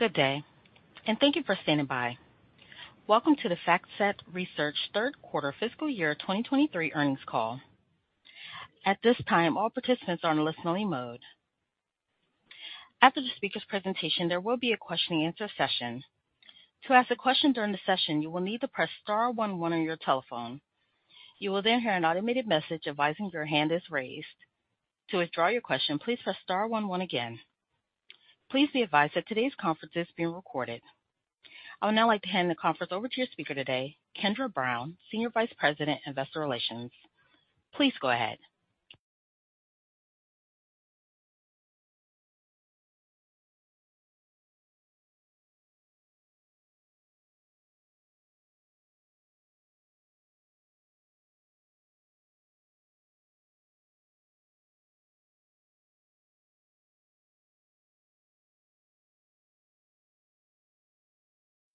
Good day, and thank you for standing by. Welcome to the FactSet Research Third Quarter Fiscal Year 2023 Earnings Call. At this time, all participants are in listening mode. After the speaker's presentation, there will be a question-and-answer session. To ask a question during the session, you will need to press star one one on your telephone. You will then hear an automated message advising your hand is raised. To withdraw your question, please press star one one again. Please be advised that today's conference is being recorded. I would now like to hand the conference over to your speaker today, Kendra Brown, Senior Vice President, Investor Relations. Please go ahead.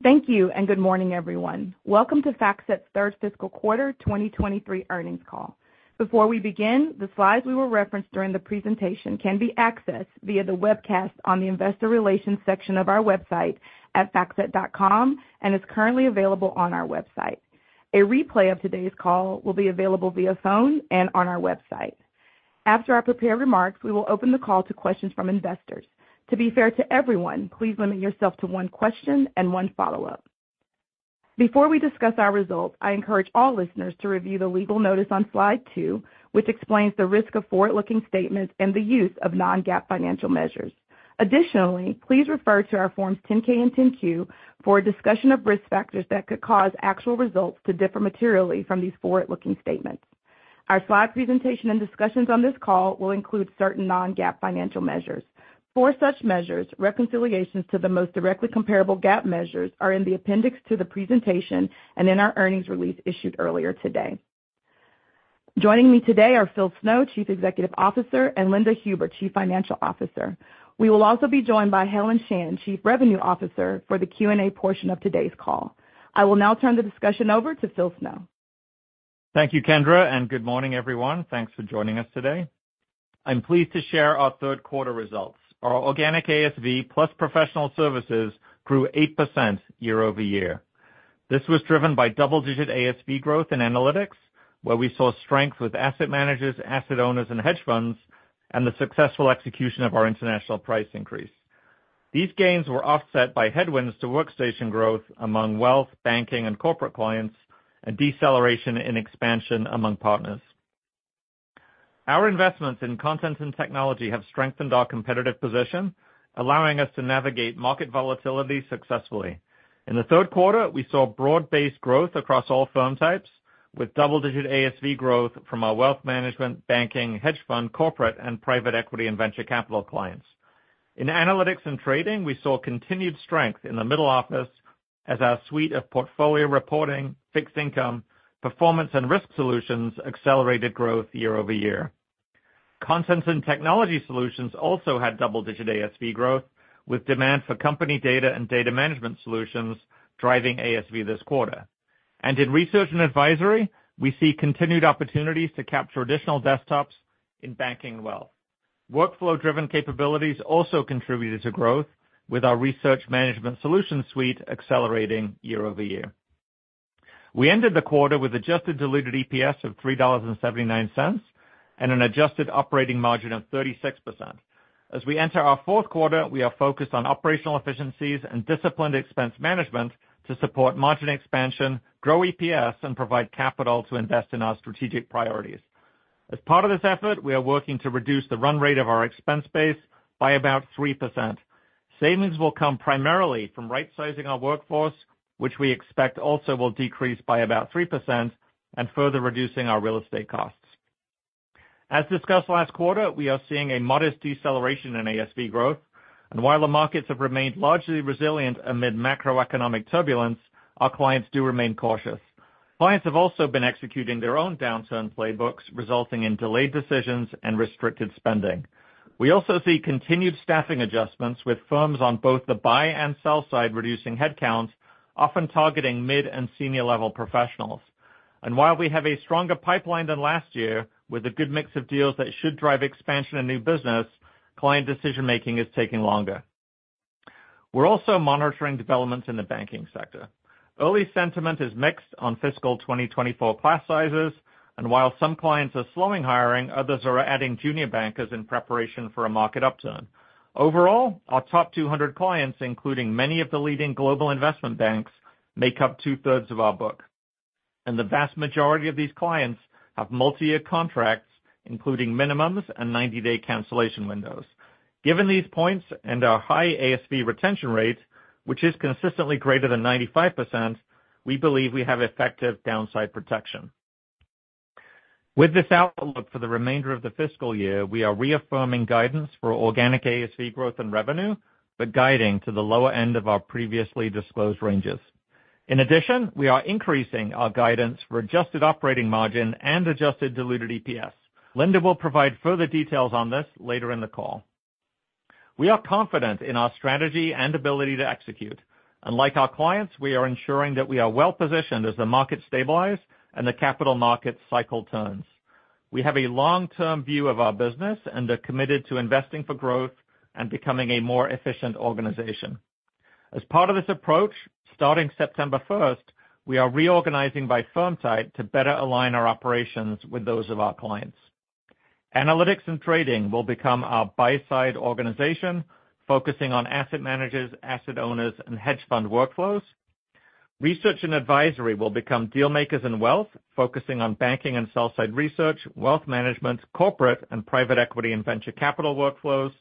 Thank you. Good morning, everyone. Welcome to FactSet's third fiscal quarter 2023 earnings call. Before we begin, the slides we will reference during the presentation can be accessed via the webcast on the investor relations section of our website at factset.com, and is currently available on our website. A replay of today's call will be available via phone and on our website. After our prepared remarks, we will open the call to questions from investors. To be fair to everyone, please limit yourself to one question and one follow-up. Before we discuss our results, I encourage all listeners to review the legal notice on Slide two, which explains the risk of forward-looking statements and the use of non-GAAP financial measures. Additionally, please refer to our forms 10-K and 10-Q for a discussion of risk factors that could cause actual results to differ materially from these forward-looking statements. Our slide presentation and discussions on this call will include certain non-GAAP financial measures. For such measures, reconciliations to the most directly comparable GAAP measures are in the appendix to the presentation and in our earnings release issued earlier today. Joining me today are Phil Snow, Chief Executive Officer, and Linda Huber, Chief Financial Officer. We will also be joined by Helen Shan, Chief Revenue Officer, for the Q&A portion of today's call. I will now turn the discussion over to Phil Snow. Thank you, Kendra. Good morning, everyone. Thanks for joining us today. I'm pleased to share our third quarter results. Our organic ASV plus professional services grew 8% year-over-year. This was driven by double-digit ASV growth in Analytics, where we saw strength with asset managers, asset owners, and hedge funds, and the successful execution of our international price increase. These gains were offset by headwinds to workstation growth among wealth, banking, and corporate clients, and deceleration in expansion among partners. Our investments in content and technology have strengthened our competitive position, allowing us to navigate market volatility successfully. In the third quarter, we saw broad-based growth across all firm types, with double-digit ASV growth from our wealth management, banking, hedge fund, corporate, and private equity and venture capital clients. In analytics and trading, we saw continued strength in the middle office as our suite of portfolio reporting, fixed income, performance, and risk solutions accelerated growth year-over-year. Content and Technology Solutions also had double-digit ASV growth, with demand for company data and data management solutions driving ASV this quarter. In research and advisory, we see continued opportunities to capture additional desktops in banking and wealth. Workflow-driven capabilities also contributed to growth, with our research management solution suite accelerating year-over-year. We ended the quarter with adjusted diluted EPS of $3.79, and an adjusted operating margin of 36%. As we enter our fourth quarter, we are focused on operational efficiencies and disciplined expense management to support margin expansion, grow EPS, and provide capital to invest in our strategic priorities. As part of this effort, we are working to reduce the run rate of our expense base by about 3%. Savings will come primarily from right-sizing our workforce, which we expect also will decrease by about 3% and further reducing our real estate costs. As discussed last quarter, we are seeing a modest deceleration in ASV growth, while the markets have remained largely resilient amid macroeconomic turbulence, our clients do remain cautious. Clients have also been executing their own downturn playbooks, resulting in delayed decisions and restricted spending. We also see continued staffing adjustments, with firms on both the buy and sell side reducing headcounts, often targeting mid- and senior-level professionals. While we have a stronger pipeline than last year, with a good mix of deals that should drive expansion and new business, client decision-making is taking longer. We're also monitoring developments in the banking sector. Early sentiment is mixed on fiscal 2024 class sizes. While some clients are slowing hiring, others are adding junior bankers in preparation for a market upturn. Overall, our top 200 clients, including many of the leading global investment banks, make up 2/3 of our book. The vast majority of these clients have multi-year contracts, including minimums and 90-day cancellation windows. Given these points and our high ASV retention rate, which is consistently greater than 95%, we believe we have effective downside protection. With this outlook for the remainder of the fiscal year, we are reaffirming guidance for organic ASV growth and revenue, guiding to the lower end of our previously disclosed ranges. In addition, we are increasing our guidance for adjusted operating margin and adjusted diluted EPS. Linda will provide further details on this later in the call. We are confident in our strategy and ability to execute, and like our clients, we are ensuring that we are well-positioned as the market stabilize and the capital market cycle turns. We have a long-term view of our business and are committed to investing for growth and becoming a more efficient organization. As part of this approach, starting September 1st, we are reorganizing by firm type to better align our operations with those of our clients. Analytics and Trading will become our buy-side organization, focusing on asset managers, asset owners, and hedge fund workflows. Research and Advisory will become deal makers and wealth, focusing on banking and sell-side research, wealth management, corporate, and private equity and venture capital workflows.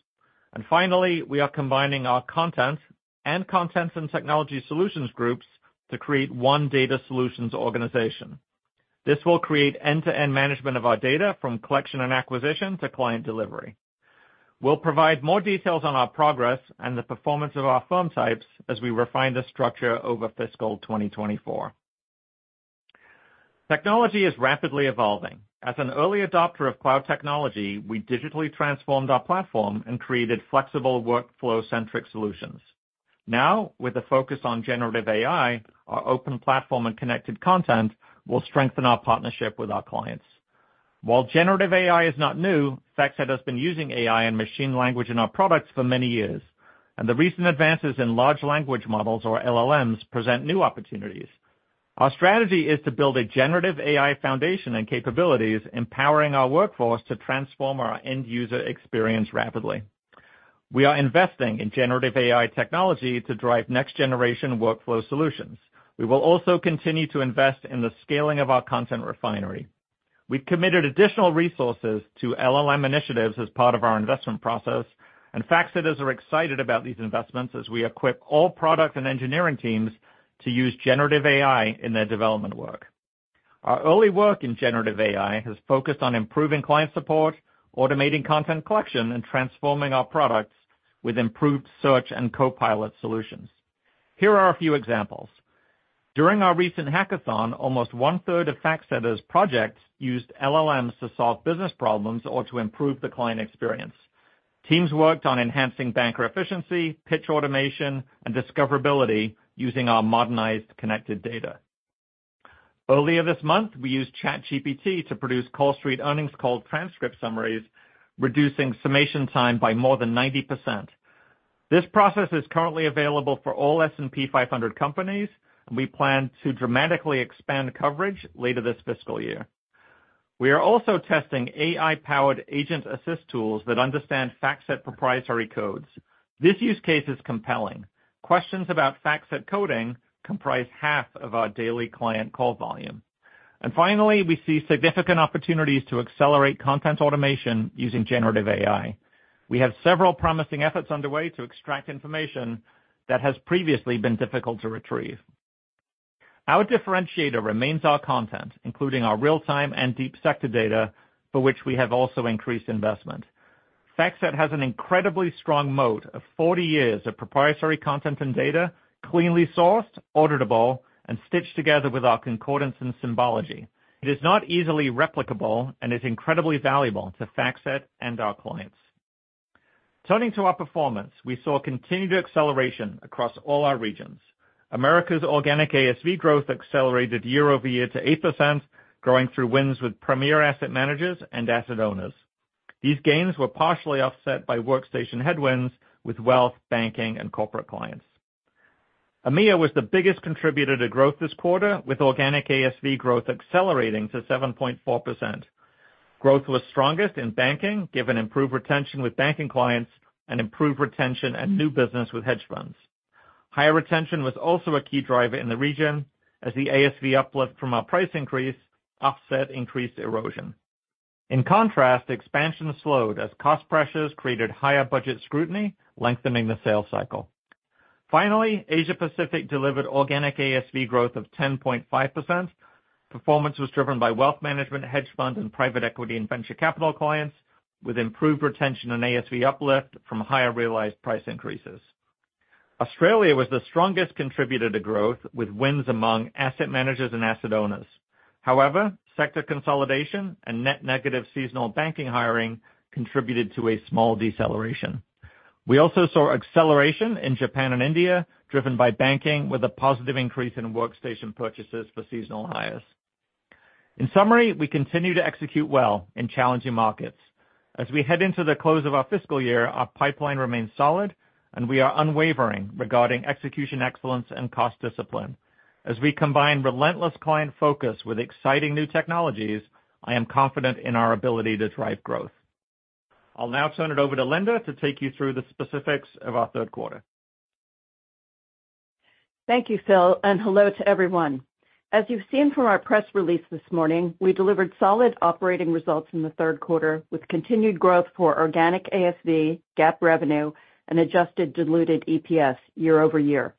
Finally, we are combining our Content and Technology Solutions groups to create one data solutions organization. This will create end-to-end management of our data, from collection and acquisition to client delivery. We'll provide more details on our progress and the performance of our firm types as we refine this structure over fiscal 2024. Technology is rapidly evolving. As an early adopter of cloud technology, we digitally transformed our platform and created flexible workflow-centric solutions. With a focus on generative AI, our open platform and connected content will strengthen our partnership with our clients. While generative AI is not new, FactSet has been using AI and machine language in our products for many years, and the recent advances in large language models, or LLMs, present new opportunities. Our strategy is to build a generative AI foundation and capabilities, empowering our workforce to transform our end-user experience rapidly. We are investing in generative AI technology to drive next-generation workflow solutions. We will also continue to invest in the scaling of our Content Refinery. We've committed additional resources to LLM initiatives as part of our investment process, and FactSetters are excited about these investments as we equip all product and engineering teams to use generative AI in their development work. Our early work in generative AI has focused on improving client support, automating content collection, and transforming our products with improved search and copilot solutions. Here are a few examples. During our recent hackathon, almost one-third of FactSet's projects used LLMs to solve business problems or to improve the client experience. Teams worked on enhancing banker efficiency, pitch automation, and discoverability using our modernized connected data. Earlier this month, we used ChatGPT to produce CallStreet earnings call transcript summaries, reducing summation time by more than 90%. This process is currently available for all S&P 500 companies, and we plan to dramatically expand coverage later this fiscal year. We are also testing AI-powered agent assist tools that understand FactSet proprietary codes. This use case is compelling. Questions about FactSet coding comprise half of our daily client call volume. Finally, we see significant opportunities to accelerate content automation using generative AI. We have several promising efforts underway to extract information that has previously been difficult to retrieve. Our differentiator remains our content, including our real-time and deep sector data, for which we have also increased investment. FactSet has an incredibly strong moat of 40 years of proprietary content and data, cleanly sourced, auditable, and stitched together with our concordance and symbology. It is not easily replicable and is incredibly valuable to FactSet and our clients. Turning to our performance, we saw continued acceleration across all our regions. America's organic ASV growth accelerated year-over-year to 8%, growing through wins with premier asset managers and asset owners. These gains were partially offset by workstation headwinds with wealth, banking, and corporate clients. EMEA was the biggest contributor to growth this quarter, with organic ASV growth accelerating to 7.4%. Growth was strongest in banking, given improved retention with banking clients and improved retention and new business with hedge funds. Higher retention was also a key driver in the region, as the ASV uplift from our price increase offset increased erosion. In contrast, expansion slowed as cost pressures created higher budget scrutiny, lengthening the sales cycle. Finally, Asia Pacific delivered organic ASV growth of 10.5%. Performance was driven by wealth management, hedge funds, and private equity and venture capital clients, with improved retention and ASV uplift from higher realized price increases. Australia was the strongest contributor to growth, with wins among asset managers and asset owners. However, sector consolidation and net negative seasonal banking hiring contributed to a small deceleration. We also saw acceleration in Japan and India, driven by banking, with a positive increase in workstation purchases for seasonal hires. In summary, we continue to execute well in challenging markets. As we head into the close of our fiscal year, our pipeline remains solid, and we are unwavering regarding execution excellence and cost discipline. As we combine relentless client focus with exciting new technologies, I am confident in our ability to drive growth. I'll now turn it over to Linda to take you through the specifics of our third quarter. Thank you, Phil. Hello to everyone. As you've seen from our press release this morning, we delivered solid operating results in the third quarter, with continued growth for organic ASV, GAAP revenue, and adjusted diluted EPS year-over-year.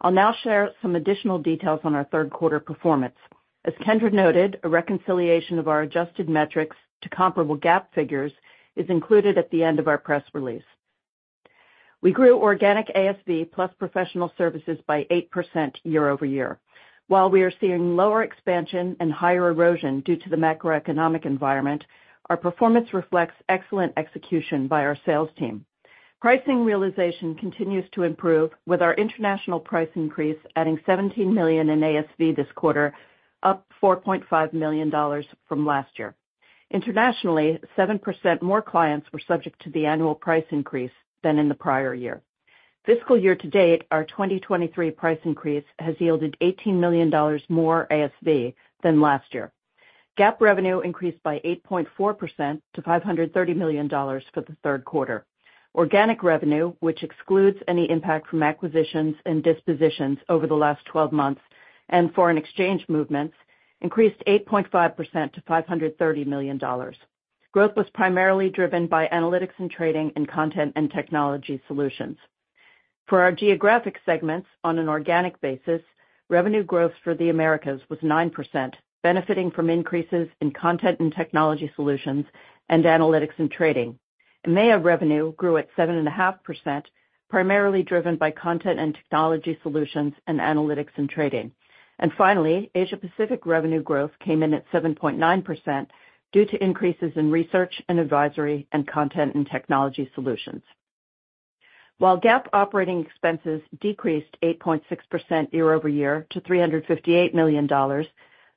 I'll now share some additional details on our third quarter performance. As Kendra noted, a reconciliation of our adjusted metrics to comparable GAAP figures is included at the end of our press release. We grew organic ASV plus professional services by 8% year-over-year. While we are seeing lower expansion and higher erosion due to the macroeconomic environment, our performance reflects excellent execution by our sales team. Pricing realization continues to improve, with our international price increase adding $17 million in ASV this quarter, up $4.5 million from last year. Internationally, 7% more clients were subject to the annual price increase than in the prior year. Fiscal year to date, our 2023 price increase has yielded $18 million more ASV than last year. GAAP revenue increased by 8.4% to $530 million for the third quarter. Organic revenue, which excludes any impact from acquisitions and dispositions over the last 12 months and foreign exchange movements, increased 8.5% to $530 million. Growth was primarily driven by Analytics and Trading and Content and Technology Solutions. For our geographic segments, on an organic basis, revenue growth for the Americas was 9%, benefiting from increases in Content and Technology Solutions and Analytics and Trading. EMEA revenue grew at 7.5%, primarily driven by Content and Technology Solutions and Analytics and Trading. Finally, Asia Pacific revenue growth came in at 7.9% due to increases in Research and Advisory and Content and Technology Solutions. While GAAP operating expenses decreased 8.6% year-over-year to $358 million,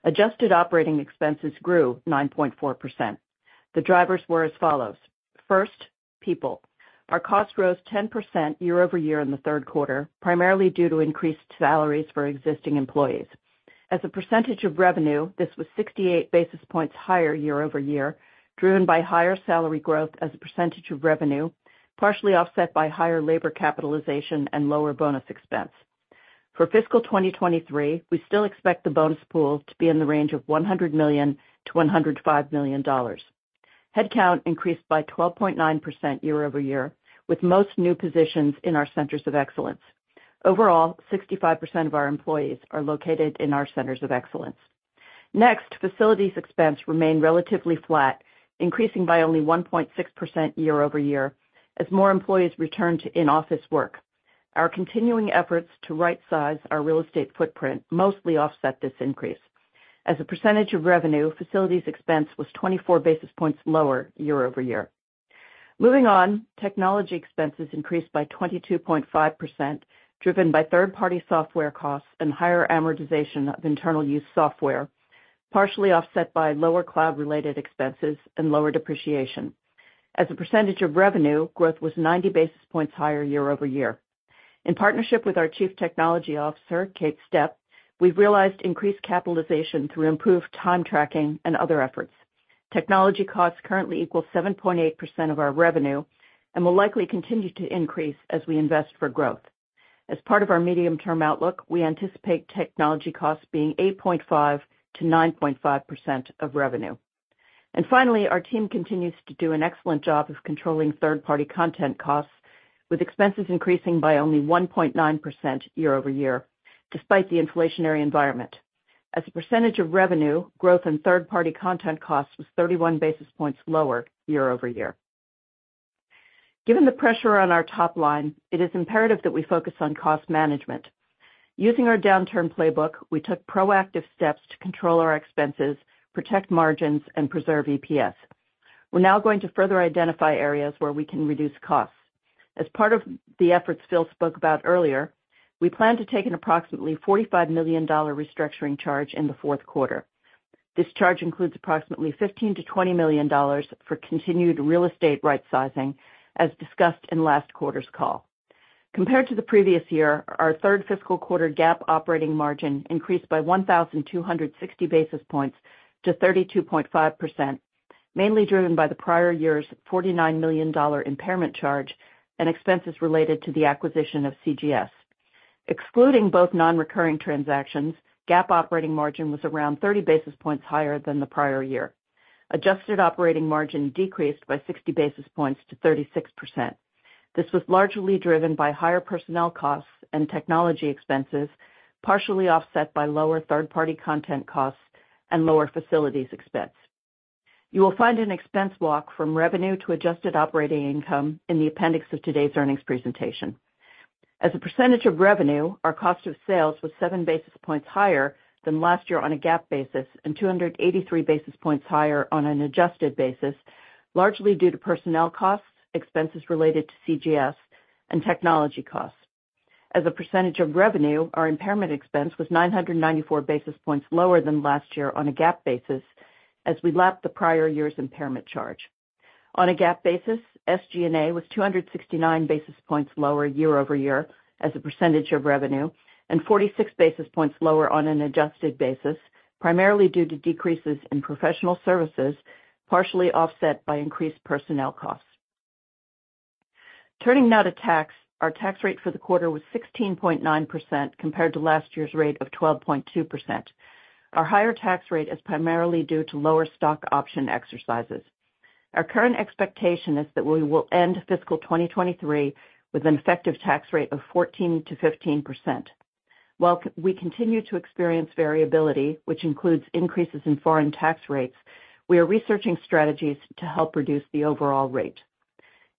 adjusted operating expenses grew 9.4%. The drivers were as follows: First, people. Our cost rose 10% year-over-year in the third quarter, primarily due to increased salaries for existing employees. As a percentage of revenue, this was 68 basis points higher year-over-year, driven by higher salary growth as a percentage of revenue, partially offset by higher labor capitalization and lower bonus expense. For fiscal 2023, we still expect the bonus pool to be in the range of $100 million-$105 million. Headcount increased by 12.9% year-over-year, with most new positions in our centers of excellence. Overall, 65% of our employees are located in our centers of excellence. Facilities expense remained relatively flat, increasing by only 1.6% year-over-year as more employees returned to in-office work. Our continuing efforts to rightsize our real estate footprint mostly offset this increase. As a percentage of revenue, facilities expense was 24 basis points lower year-over-year. Technology expenses increased by 22.5%, driven by third-party software costs and higher amortization of internal use software, partially offset by lower cloud-related expenses and lower depreciation. As a percentage of revenue, growth was 90 basis points higher year-over-year. In partnership with our Chief Technology Officer, Kate Stepp, we've realized increased capitalization through improved time tracking and other efforts. Technology costs currently equal 7.8% of our revenue and will likely continue to increase as we invest for growth. As part of our medium-term outlook, we anticipate technology costs being 8.5%-9.5% of revenue. Finally, our team continues to do an excellent job of controlling third-party content costs, with expenses increasing by only 1.9% year-over-year, despite the inflationary environment. As a percentage of revenue, growth in third-party content costs was 31 basis points lower year-over-year. Given the pressure on our top line, it is imperative that we focus on cost management. Using our downturn playbook, we took proactive steps to control our expenses, protect margins and preserve EPS. We're now going to further identify areas where we can reduce costs. As part of the efforts Phil spoke about earlier, we plan to take an approximately $45 million restructuring charge in the fourth quarter. This charge includes approximately $15 million-$20 million for continued real estate rightsizing, as discussed in last quarter's call. Compared to the previous year, our third fiscal quarter GAAP operating margin increased by 1,260 basis points to 32.5%, mainly driven by the prior year's $49 million impairment charge and expenses related to the acquisition of CGS. Excluding both nonrecurring transactions, GAAP operating margin was around 30 basis points higher than the prior year. Adjusted operating margin decreased by 60 basis points to 36%. This was largely driven by higher personnel costs and technology expenses, partially offset by lower third-party content costs and lower facilities expense. You will find an expense walk from revenue to adjusted operating income in the appendix of today's earnings presentation. As a percentage of revenue, our cost of sales was 7 basis points higher than last year on a GAAP basis and 283 basis points higher on an adjusted basis, largely due to personnel costs, expenses related to CGS, and technology costs. As a percentage of revenue, our impairment expense was 994 basis points lower than last year on a GAAP basis, as we lapped the prior year's impairment charge. On a GAAP basis, SG&A was 269 basis points lower year-over-year as a percentage of revenue, and 46 basis points lower on an adjusted basis, primarily due to decreases in professional services, partially offset by increased personnel costs. Turning now to tax. Our tax rate for the quarter was 16.9%, compared to last year's rate of 12.2%. Our higher tax rate is primarily due to lower stock option exercises. Our current expectation is that we will end fiscal 2023 with an effective tax rate of 14%-15%. While we continue to experience variability, which includes increases in foreign tax rates, we are researching strategies to help reduce the overall rate.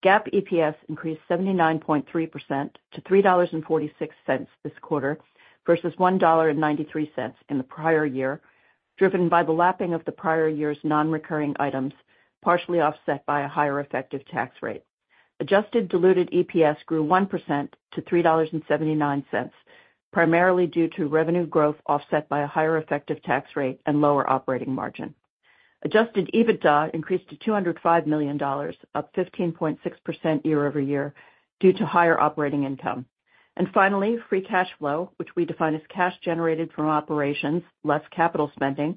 GAAP EPS increased 79.3% to $3.46 this quarter, versus $1.93 in the prior year.... Driven by the lapping of the prior year's nonrecurring items, partially offset by a higher effective tax rate. Adjusted diluted EPS grew 1% to $3.79, primarily due to revenue growth, offset by a higher effective tax rate and lower operating margin. Adjusted EBITDA increased to $205 million, up 15.6% year-over-year, due to higher operating income. Finally, free cash flow, which we define as cash generated from operations less capital spending,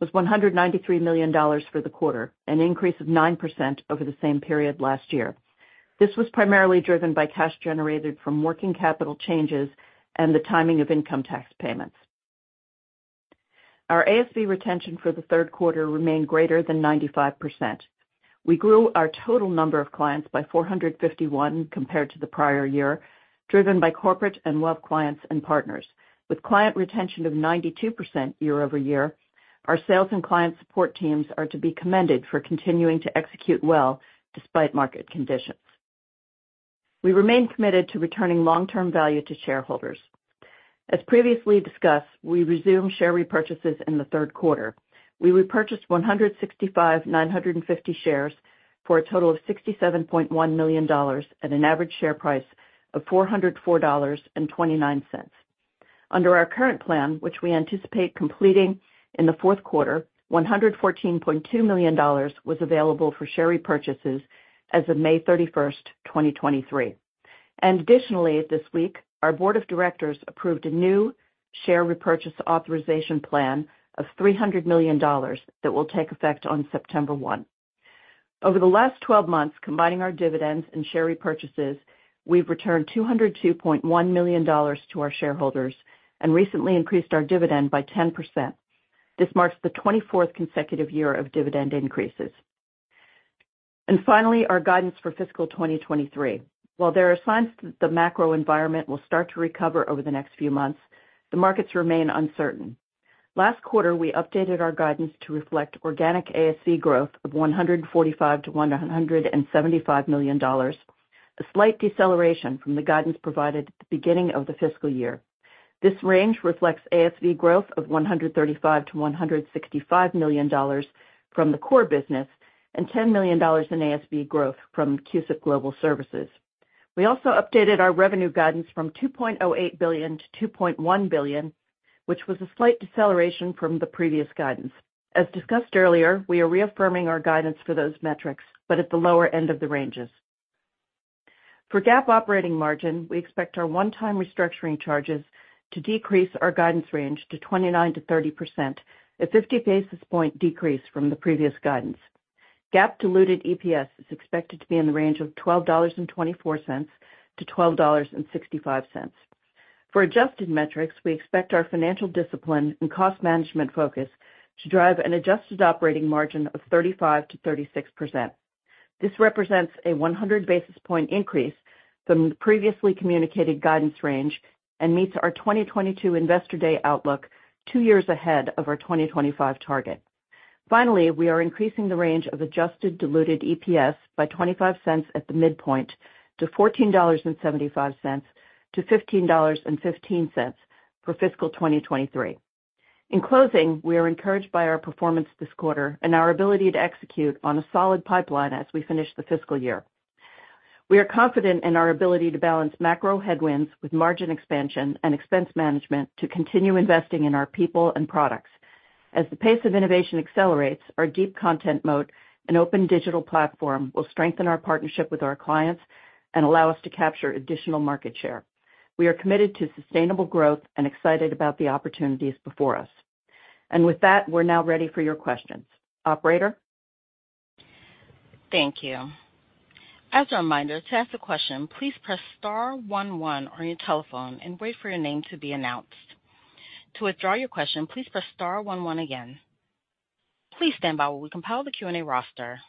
was $193 million for the quarter, an increase of 9% over the same period last year. This was primarily driven by cash generated from working capital changes and the timing of income tax payments. Our ASV retention for the third quarter remained greater than 95%. We grew our total number of clients by 451 compared to the prior year, driven by corporate and wealth clients and partners. With client retention of 92% year-over-year, our sales and client support teams are to be commended for continuing to execute well despite market conditions. We remain committed to returning long-term value to shareholders. As previously discussed, we resumed share repurchases in the third quarter. We repurchased 165,950 shares for a total of $67.1 million at an average share price of $404.29. Under our current plan, which we anticipate completing in the fourth quarter, $114.2 million was available for share repurchases as of May 31, 2023. Additionally, this week, our board of directors approved a new share repurchase authorization plan of $300 million that will take effect on September 1. Over the last 12 months, combining our dividends and share repurchases, we've returned $202.1 million to our shareholders and recently increased our dividend by 10%. This marks the 24th consecutive year of dividend increases. Finally, our guidance for fiscal 2023. While there are signs that the macro environment will start to recover over the next few months, the markets remain uncertain. Last quarter, we updated our guidance to reflect organic ASV growth of $145 million-$175 million, a slight deceleration from the guidance provided at the beginning of the fiscal year. This range reflects ASV growth of $135 million-$165 million from the core business and $10 million in ASV growth from CUSIP Global Services. We also updated our revenue guidance from $2.08 billion-$2.1 billion, which was a slight deceleration from the previous guidance. As discussed earlier, we are reaffirming our guidance for those metrics, but at the lower end of the ranges. For GAAP operating margin, we expect our one-time restructuring charges to decrease our guidance range to 29%-30%, a 50 basis point decrease from the previous guidance. GAAP diluted EPS is expected to be in the range of $12.24-$12.65. For adjusted metrics, we expect our financial discipline and cost management focus to drive an adjusted operating margin of 35%-36%. This represents a 100 basis point increase from the previously communicated guidance range and meets our 2022 Investor Day outlook, two years ahead of our 2025 target. Finally, we are increasing the range of adjusted diluted EPS by $0.25 at the midpoint to $14.75-$15.15 for fiscal 2023. In closing, we are encouraged by our performance this quarter and our ability to execute on a solid pipeline as we finish the fiscal year. We are confident in our ability to balance macro headwinds with margin expansion and expense management to continue investing in our people and products. As the pace of innovation accelerates, our deep content moat and open digital platform will strengthen our partnership with our clients and allow us to capture additional market share. We are committed to sustainable growth and excited about the opportunities before us. With that, we're now ready for your questions. Operator? Thank you. As a reminder, to ask a question, please press star one one on your telephone and wait for your name to be announced. To withdraw your question, please press star one one again. Please stand by while we compile the Q&A roster.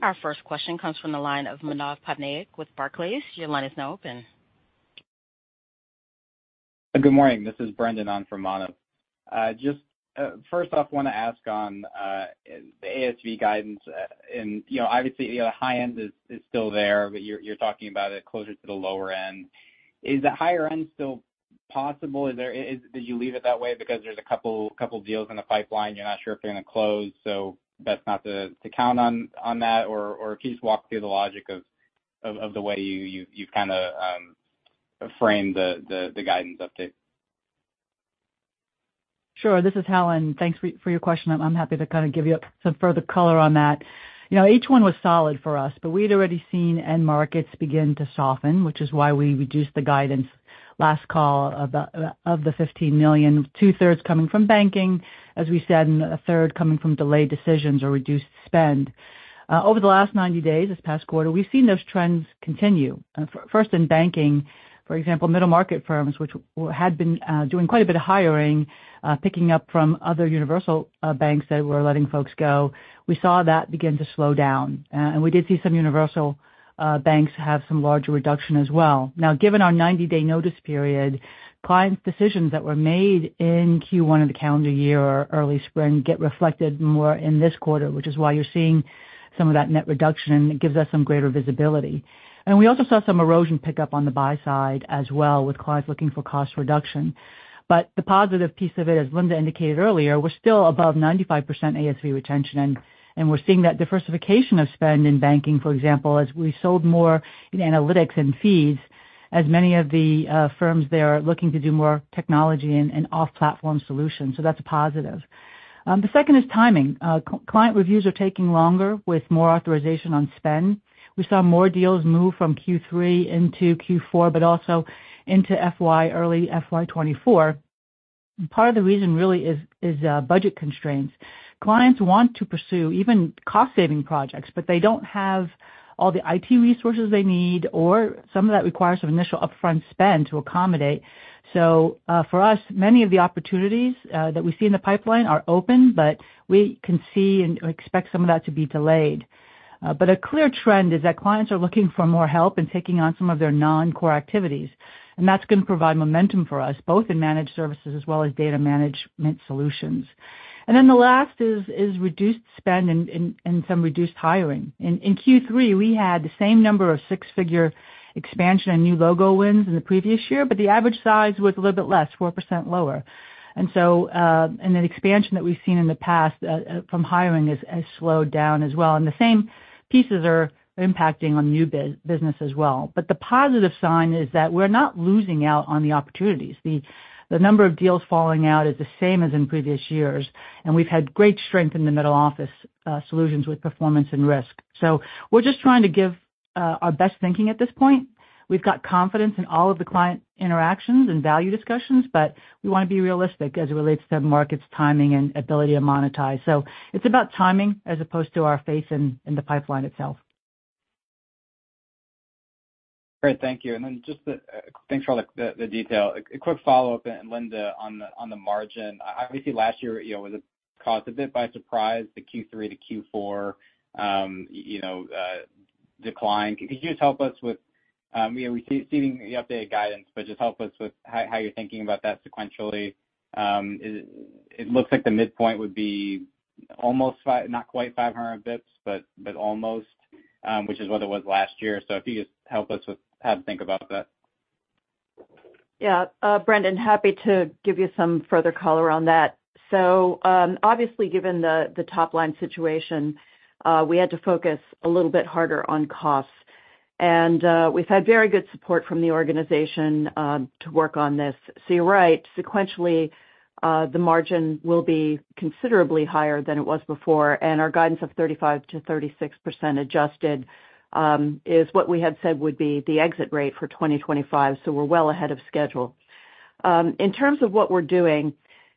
Our first question comes from the line of Manav Patnaik with Barclays. Your line is now open. Good morning, this is Brendan on for Manav. Just, first off, want to ask on the ASV guidance. You know, obviously, the high end is still there, but you're talking about it closer to the lower end. Is the higher end still possible? Did you leave it that way because there's a couple deals in the pipeline, you're not sure if they're going to close, so best not to count on that? Can you just walk through the logic of the way you've kind of framed the guidance update? Sure. This is Helen. Thanks for your question. I'm happy to kind of give you some further color on that. You know, H1 was solid for us, but we'd already seen end markets begin to soften, which is why we reduced the guidance last call of the $15 million, 2/3 coming from banking, as we said, and a third coming from delayed decisions or reduced spend. Over the last 90 days, this past quarter, we've seen those trends continue. First in banking, for example, middle-market firms, which had been doing quite a bit of hiring, picking up from other universal banks that were letting folks go. We saw that begin to slow down, and we did see some universal banks have some larger reduction as well. Given our 90-day notice period, clients' decisions that were made in Q1 of the calendar year or early spring get reflected more in this quarter, which is why you're seeing. some of that net reduction gives us some greater visibility. We also saw some erosion pick up on the buy side as well, with clients looking for cost reduction. The positive piece of it, as Linda indicated earlier, we're still above 95% ASV retention, and we're seeing that diversification of spend in banking, for example, as we sold more in analytics and feeds, as many of the firms there are looking to do more technology and off-platform solutions. That's a positive. The second is timing. Client reviews are taking longer with more authorization on spend. We saw more deals move from Q3 into Q4, but also into FY, early FY 2024. Part of the reason really is budget constraints. Clients want to pursue even cost-saving projects, but they don't have all the IT resources they need, or some of that requires some initial upfront spend to accommodate. For us, many of the opportunities that we see in the pipeline are open, but we can see and expect some of that to be delayed. But a clear trend is that clients are looking for more help in taking on some of their non-core activities, and that's going to provide momentum for us, both in managed services as well as data management solutions. The last is reduced spend and some reduced hiring. In Q3, we had the same number of six-figure expansion and new logo wins in the previous year, but the average size was a little bit less, 4% lower. The expansion that we've seen in the past from hiring has slowed down as well, and the same pieces are impacting on new business as well. The positive sign is that we're not losing out on the opportunities. The number of deals falling out is the same as in previous years, and we've had great strength in the middle office solutions with performance and risk. We're just trying to give our best thinking at this point. We've got confidence in all of the client interactions and value discussions, but we want to be realistic as it relates to markets, timing, and ability to monetize. It's about timing as opposed to our faith in the pipeline itself. Great, thank you. Then just the... Thanks for all the detail. A quick follow-up, and Linda, on the margin. Obviously, last year, you know, was caught a bit by surprise, the Q3 to Q4, you know, decline. Can you just help us with, you know, seeing the updated guidance, but just help us with how you're thinking about that sequentially. It looks like the midpoint would be almost five, not quite 500 basis points, but almost, which is what it was last year. If you just help us with how to think about that. Yeah, Brendan, happy to give you some further color on that. Obviously, given the top-line situation, we had to focus a little bit harder on costs, and we've had very good support from the organization, to work on this. You're right, sequentially, the margin will be considerably higher than it was before, and our guidance of 35%-36% adjusted, is what we had said would be the exit rate for 2025. We're well ahead of schedule. In terms of what we're doing,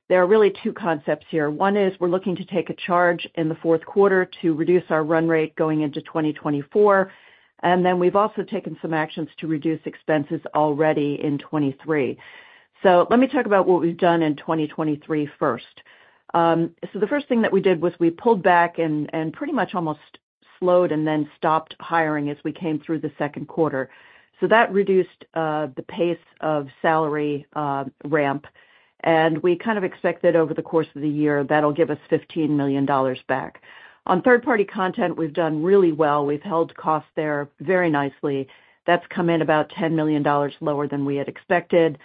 there are really two concepts here. One is we're looking to take a charge in the fourth quarter to reduce our run rate going into 2024, and then we've also taken some actions to reduce expenses already in 2023. Let me talk about what we've done in 2023 first. The first thing that we did was we pulled back and pretty much almost slowed and then stopped hiring as we came through the second quarter. That reduced the pace of salary ramp, and we kind of expect that over the course of the year, that'll give us $15 million back. On third-party content, we've done really well. We've held costs there very nicely. That's come in about $10 million lower than we had expected.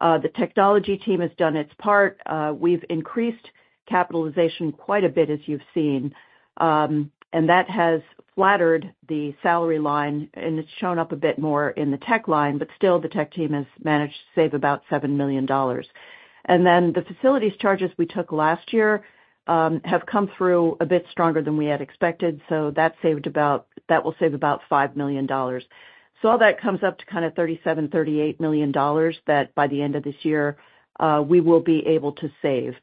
The technology team has done its part. We've increased capitalization quite a bit, as you've seen, and that has flattered the salary line, and it's shown up a bit more in the tech line, but still, the tech team has managed to save about $7 million. The facilities charges we took last year have come through a bit stronger than we had expected, so that will save about $5 million. All that comes up to kind of $37 million-$38 million, that by the end of this year, we will be able to save.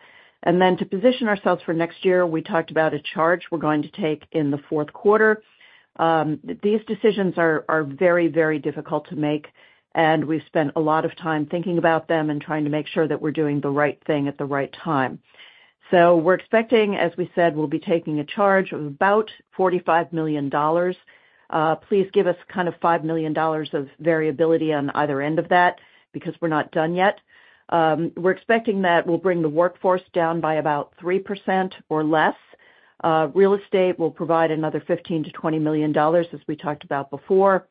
To position ourselves for next year, we talked about a charge we're going to take in the fourth quarter. These decisions are very difficult to make, and we've spent a lot of time thinking about them and trying to make sure that we're doing the right thing at the right time. We're expecting, as we said, we'll be taking a charge of about $45 million. Please give us kind of $5 million of variability on either end of that, because we're not done yet. We're expecting that we'll bring the workforce down by about 3% or less. Real estate will provide another $15 million-$20 million, as we talked about before.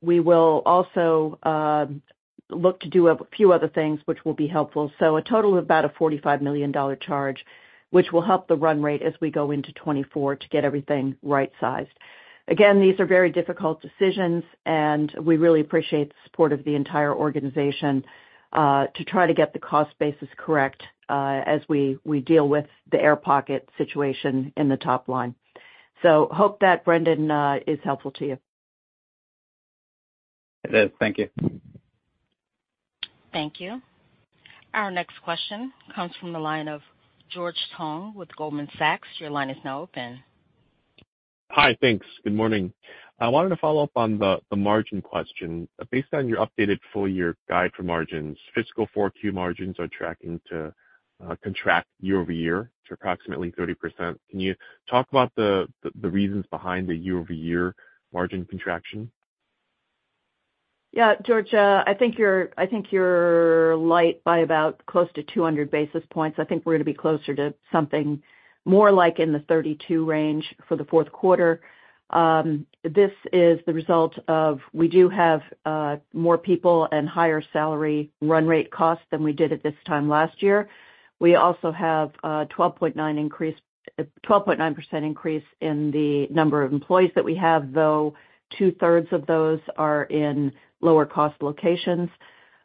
We will also look to do a few other things which will be helpful. A total of about a $45 million charge, which will help the run rate as we go into 2024 to get everything right-sized. Again, these are very difficult decisions, and we really appreciate the support of the entire organization to try to get the cost basis correct as we deal with the air pocket situation in the top line. Hope that, Brendan, is helpful to you. It is. Thank you. Thank you. Our next question comes from the line of George Tong with Goldman Sachs. Your line is now open. Hi, thanks. Good morning. I wanted to follow up on the margin question. Based on your updated full-year guide for margins, fiscal 4Q margins are tracking to contract year-over-year to approximately 30%. Can you talk about the reasons behind the year-over-year margin contraction? George, I think you're, I think you're light by about close to 200 basis points. I think we're going to be closer to something more like in the 32% range for the fourth quarter. This is the result of we do have more people and higher salary run rate costs than we did at this time last year. We also have a 12.9 increase, a 12.9% increase in the number of employees that we have, though 2/3 of those are in lower cost locations.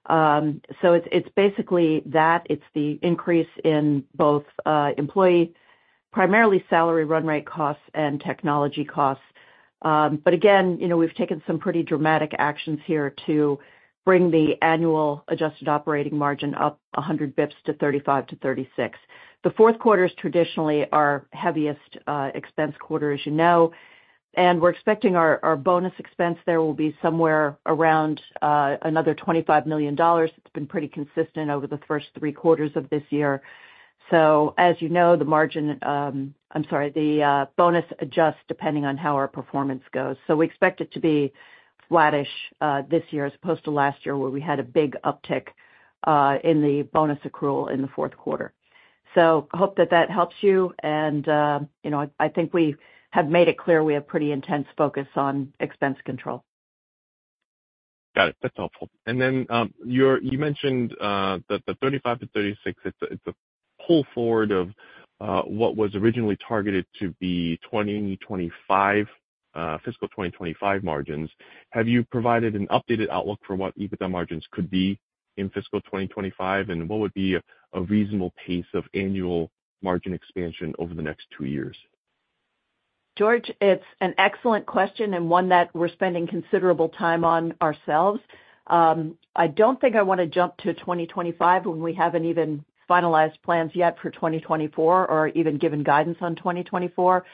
So it's basically that, it's the increase in both employee, primarily salary run rate costs and technology costs. But again, you know, we've taken some pretty dramatic actions here to bring the annual adjusted operating margin up 100 basis points to 35%-36%. The fourth quarter is traditionally our heaviest expense quarter, as you know, and we're expecting our bonus expense there will be somewhere around another $25 million. It's been pretty consistent over the first three quarters of this year. As you know, the margin, I'm sorry, the bonus adjusts depending on how our performance goes. We expect it to be flattish this year as opposed to last year, where we had a big uptick in the bonus accrual in the fourth quarter. I hope that that helps you. You know, I think we have made it clear we have pretty intense focus on expense control. Got it. That's helpful. You mentioned that the 35-36, it's a pull forward of what was originally targeted to be 2025, fiscal 2025 margins. Have you provided an updated outlook for what EBITDA margins could be in fiscal 2025, and what would be a reasonable pace of annual margin expansion over the next two years? George, it's an excellent question and one that we're spending considerable time on ourselves. I don't think I want to jump to 2025 when we haven't even finalized plans yet for 2024, or even given guidance on 2024.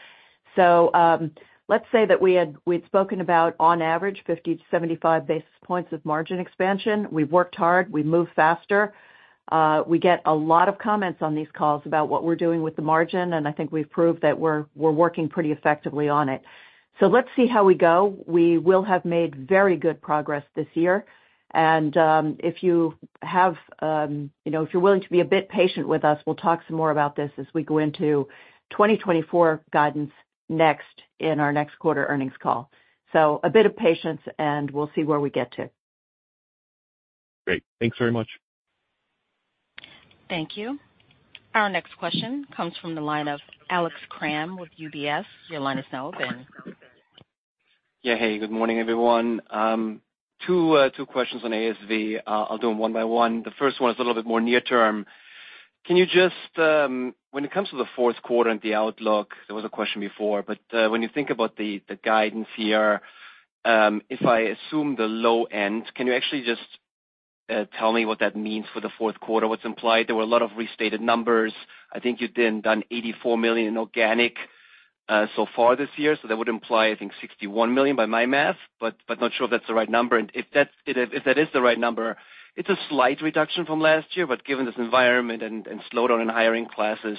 Let's say that we'd spoken about on average, 50-75 basis points of margin expansion. We've worked hard. We've moved faster. We get a lot of comments on these calls about what we're doing with the margin, and I think we've proved that we're working pretty effectively on it. Let's see how we go. We will have made very good progress this year. If you have, you know, if you're willing to be a bit patient with us, we'll talk some more about this as we go into 2024 guidance next in our next quarter earnings call. A bit of patience, and we'll see where we get to. Great. Thanks very much. Thank you. Our next question comes from the line of Alex Kramm with UBS. Your line is now open. Yeah, hey, good morning, everyone. Two questions on ASV. I'll do them one by one. The first one is a little bit more near term. Can you just, when it comes to the fourth quarter and the outlook, there was a question before, but, when you think about the guidance here, if I assume the low end, can you actually just, tell me what that means for the fourth quarter, what's implied? There were a lot of restated numbers. I think you've done $84 million in organic so far this year, so that would imply, I think, $61 million by my math, but not sure if that's the right number. If that is the right number, it's a slight reduction from last year. given this environment and slowdown in hiring classes,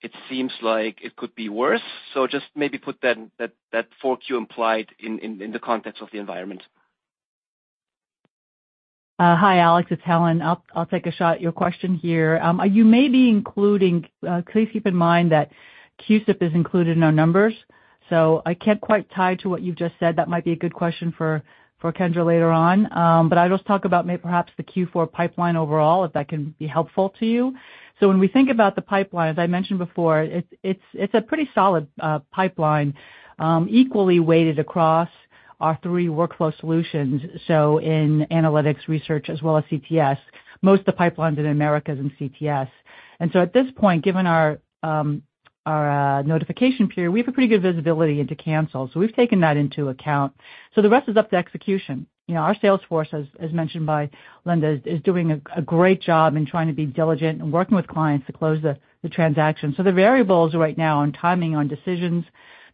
it seems like it could be worse. Just maybe put that 4Q implied in the context of the environment. Hi, Alex, it's Helen. I'll take a shot at your question here. You may be including, please keep in mind that CUSIP is included in our numbers, so I can't quite tie to what you've just said. That might be a good question for Kendra later on. I'll just talk about maybe perhaps the Q4 pipeline overall, if that can be helpful to you. When we think about the pipeline, as I mentioned before, it's a pretty solid pipeline, equally weighted across our three workflow solutions, so in analytics research as well as CTS. Most of the pipeline's in Americas and CTS. At this point, given our notification period, we have a pretty good visibility into cancels, so we've taken that into account. The rest is up to execution. You know, our sales force, as mentioned by Linda, is doing a great job in trying to be diligent and working with clients to close the transaction. The variables right now on timing, on decisions,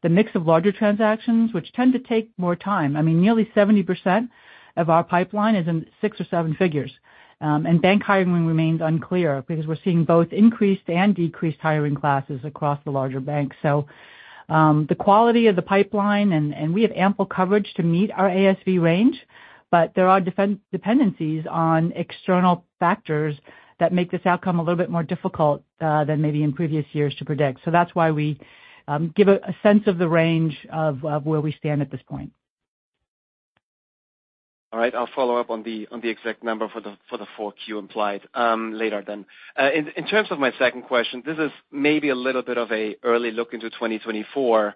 the mix of larger transactions, which tend to take more time. I mean, nearly 70% of our pipeline is in six or seven figures. Bank hiring remains unclear because we're seeing both increased and decreased hiring classes across the larger banks. The quality of the pipeline, and we have ample coverage to meet our ASV range, but there are dependencies on external factors that make this outcome a little bit more difficult than maybe in previous years to predict. That's why we give a sense of the range of where we stand at this point. All right. I'll follow up on the exact number for the 4Q implied later then. In terms of my second question, this is maybe a little bit of a early look into 2024,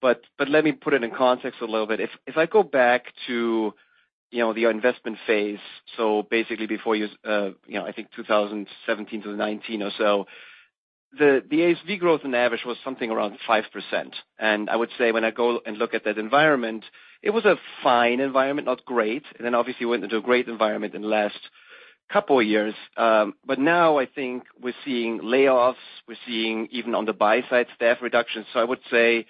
but let me put it in context a little bit. If I go back to, you know, the investment phase, so basically before you know, I think 2017 to 2019 or so, the ASV growth on average was something around 5%. I would say when I go and look at that environment, it was a fine environment, not great, and then obviously went into a great environment in the last couple of years. Now I think we're seeing layoffs. We're seeing even on the buy side, staff reductions. I would say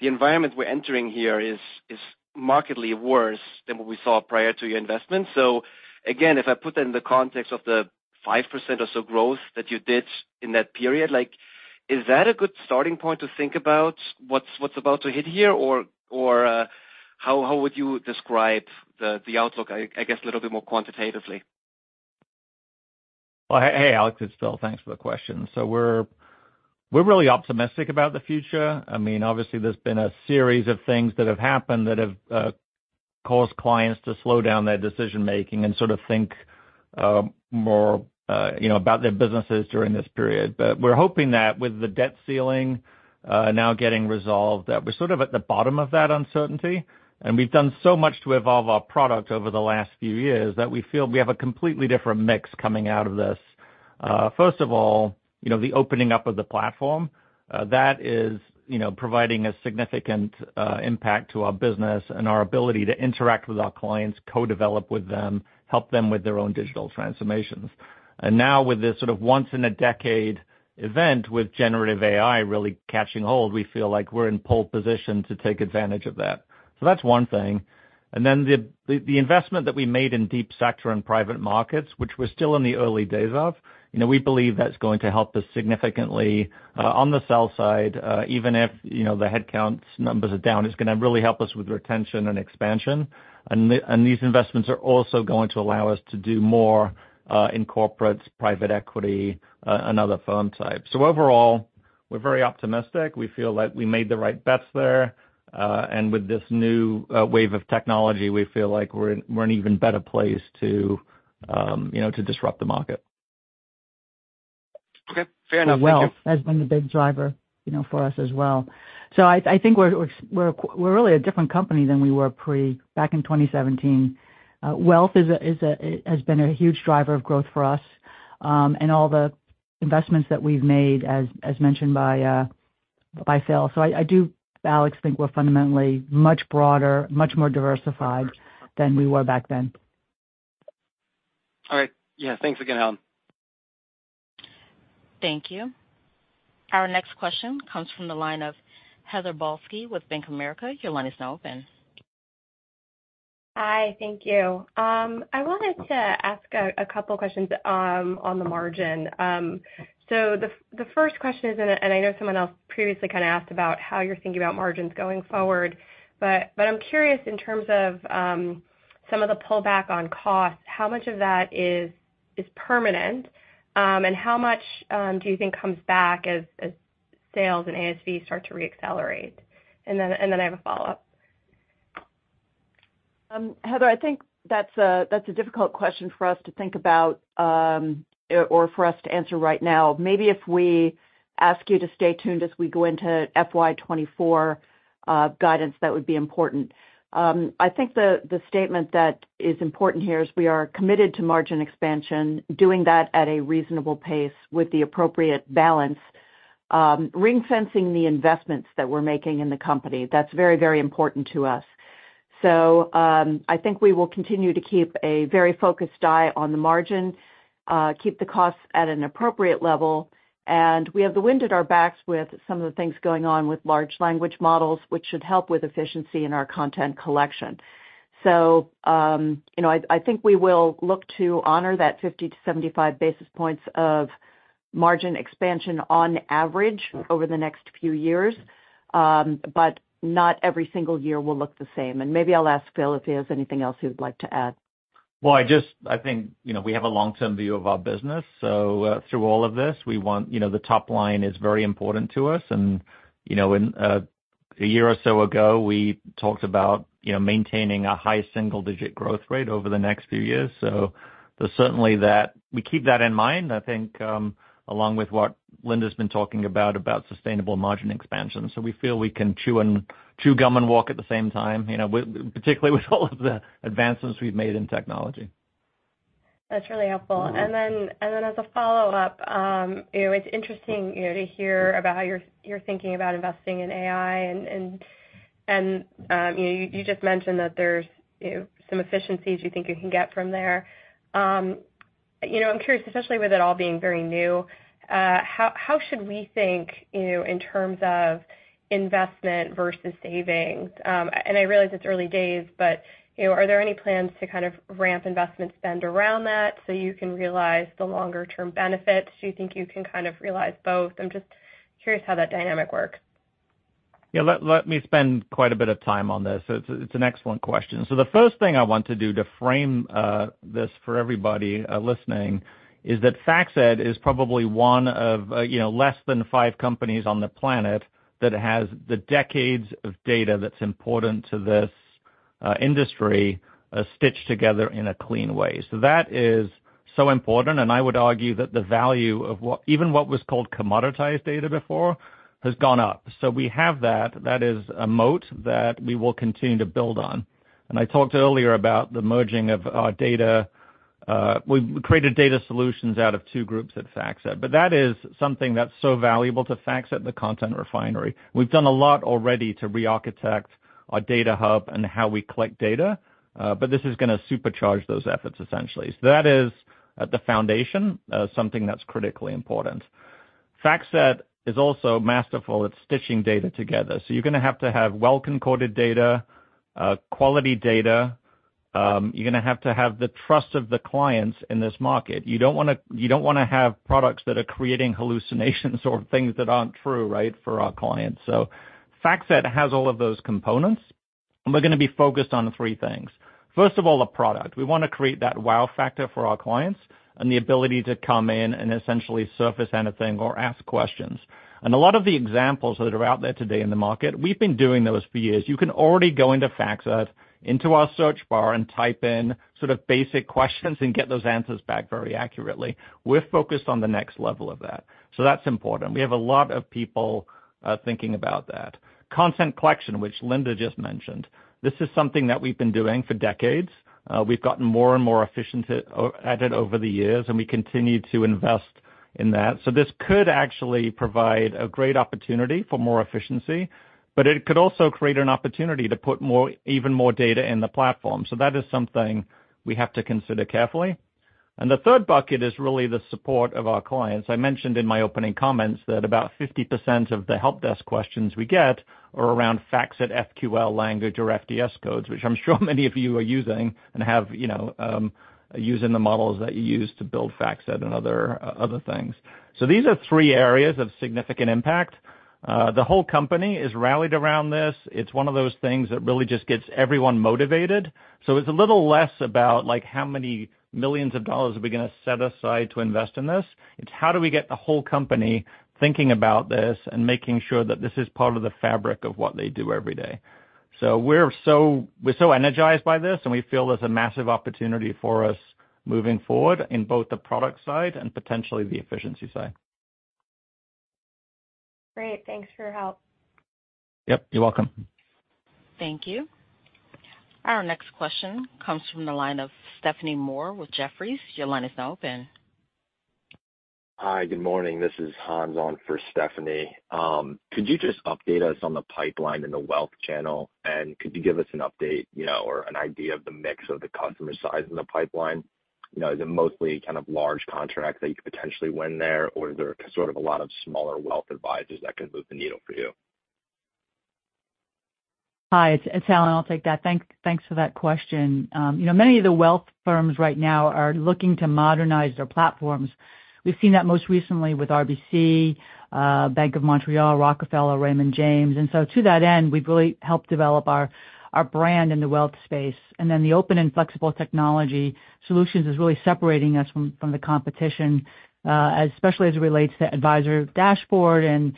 the environment we're entering here is markedly worse than what we saw prior to your investment. Again, if I put that in the context of the 5% or so growth that you did in that period. Like, is that a good starting point to think about what's about to hit here? Or, how would you describe the outlook, I guess, a little bit more quantitatively? Well, hey, Alex Kramm, it's Phil Snow. Thanks for the question. We're really optimistic about the future. I mean, obviously, there's been a series of things that have caused clients to slow down their decision-making and sort of think more, you know, about their businesses during this period. We're hoping that with the debt ceiling now getting resolved, that we're sort of at the bottom of that uncertainty. We've done so much to evolve our product over the last few years, that we feel we have a completely different mix coming out of this. First of all, you know, the opening up of the platform, that is, you know, providing a significant impact to our business and our ability to interact with our clients, co-develop with them, help them with their own digital transformations. Now with this sort of once-in-a-decade event, with generative AI really catching hold, we feel like we're in pole position to take advantage of that. That's one thing. Then the investment that we made in Deep Sector and private markets, which we're still in the early days of, you know, we believe that's going to help us significantly on the sell side, even if, you know, the headcounts numbers are down. It's gonna really help us with retention and expansion. These investments are also going to allow us to do more in corporates, private equity, and other firm types. Overall, we're very optimistic. We feel like we made the right bets there. With this new wave of technology, we feel like we're in an even better place to, you know, to disrupt the market. Okay, fair enough. Thank you. Well, has been the big driver, you know, for us as well. I think we're really a different company than we were pre- back in 2017. Wealth has been a huge driver of growth for us, and all the investments that we've made, as mentioned by Phil. I do, Alex Kramm, think we're fundamentally much broader, much more diversified than we were back then. All right. Yeah. Thanks again, Helen. Thank you. Our next question comes from the line of Heather Balsky with Bank of America. Your line is now open. Hi, thank you. I wanted to ask a couple questions on the margin. The first question is, and I, and I know someone else previously kind of asked about how you're thinking about margins going forward. I'm curious in terms of some of the pullback on costs, how much of that is permanent? And how much do you think comes back as sales and ASV start to reaccelerate? I have a follow-up. Heather, I think that's a difficult question for us to think about, or for us to answer right now. Maybe if we ask you to stay tuned as we go into FY 2024 guidance, that would be important. I think the statement that is important here is we are committed to margin expansion, doing that at a reasonable pace with the appropriate balance, ringfencing the investments that we're making in the company. That's very important to us. I think we will continue to keep a very focused eye on the margin, keep the costs at an appropriate level, and we have the wind at our backs with some of the things going on with Large Language Models, which should help with efficiency in our content collection. You know, I think we will look to honor that 50 to 75 basis points of margin expansion on average over the next few years, but not every single year will look the same. Maybe I'll ask Phil if he has anything else he would like to add. Well, I think, you know, we have a long-term view of our business. Through all of this, You know, the top line is very important to us, and, you know, and, a year or so ago, we talked about, you know, maintaining a high single-digit growth rate over the next few years. Certainly that we keep that in mind, I think, along with what Linda's been talking about sustainable margin expansion. We feel we can chew gum and walk at the same time, you know, particularly with all of the advancements we've made in technology. That's really helpful. Then, and then as a follow-up, you know, it's interesting, you know, to hear about how you're thinking about investing in AI, and, you know, you just mentioned that there's, you know, some efficiencies you think you can get from there. You know, I'm curious, especially with it all being very new, how should we think, you know, in terms of investment versus savings? I realize it's early days, but, you know, are there any plans to kind of ramp investment spend around that, so you can realize the longer-term benefits? Do you think you can kind of realize both? I'm just curious how that dynamic works. Let me spend quite a bit of time on this. It's an excellent question. The first thing I want to do to frame this for everybody listening, is that FactSet is probably one of, you know, less than five companies on the planet that has the decades of data that's important to this industry stitched together in a clean way. That is so important, and I would argue that the value of even what was called commoditized data before, has gone up. We have that. That is a moat that we will continue to build on. I talked earlier about the merging of our data. We created data solutions out of two groups at FactSet, but that is something that's so valuable to FactSet, the Content Refinery. We've done a lot already to rearchitect our data hub and how we collect data, but this is gonna supercharge those efforts, essentially. That is, at the foundation, something that's critically important. FactSet is also masterful at stitching data together, so you're gonna have to have well-concorded data, quality data, you're gonna have to have the trust of the clients in this market. You don't wanna have products that are creating hallucinations or things that aren't true, right, for our clients. FactSet has all of those components, and we're gonna be focused on three things. First of all, the product. We wanna create that wow factor for our clients and the ability to come in and essentially surface anything or ask questions. A lot of the examples that are out there today in the market, we've been doing those for years. You can already go into FactSet, into our search bar and type in sort of basic questions and get those answers back very accurately. We're focused on the next level of that's important. We have a lot of people thinking about that. Content collection, which Linda just mentioned. This is something that we've been doing for decades. We've gotten more and more efficient at it over the years, and we continue to invest in that. This could actually provide a great opportunity for more efficiency, but it could also create an opportunity to put even more data in the platform. That is something we have to consider carefully. The third bucket is really the support of our clients. I mentioned in my opening comments that about 50% of the help desk questions we get are around FactSet FQL language or FDS codes, which I'm sure many of you are using and have, you know, using the models that you use to build FactSet and other things. These are three areas of significant impact. The whole company is rallied around this. It's one of those things that really just gets everyone motivated. It's a little less about, like, how many millions of dollars are we gonna set aside to invest in this? It's how do we get the whole company thinking about this and making sure that this is part of the fabric of what they do every day. We're so energized by this, and we feel there's a massive opportunity for us moving forward in both the product side and potentially the efficiency side. Great. Thanks for your help. Yep, you're welcome. Thank you. Our next question comes from the line of Stephanie Moore with Jefferies. Your line is now open. Hi, good morning. This is Hans on for Stephanie. Could you just update us on the pipeline in the wealth channel, and could you give us an update, you know, or an idea of the mix of the customer size in the pipeline? You know, is it mostly kind of large contracts that you could potentially win there, or is there sort of a lot of smaller wealth advisors that could move the needle for you? Hi, it's Helen. I'll take that. Thanks for that question. You know, many of the wealth firms right now are looking to modernize their platforms. We've seen that most recently with RBC, Bank of Montreal, Rockefeller, Raymond James. To that end, we've really helped develop our brand in the wealth space. The open and flexible technology solutions is really separating us from the competition, especially as it relates to advisor dashboard and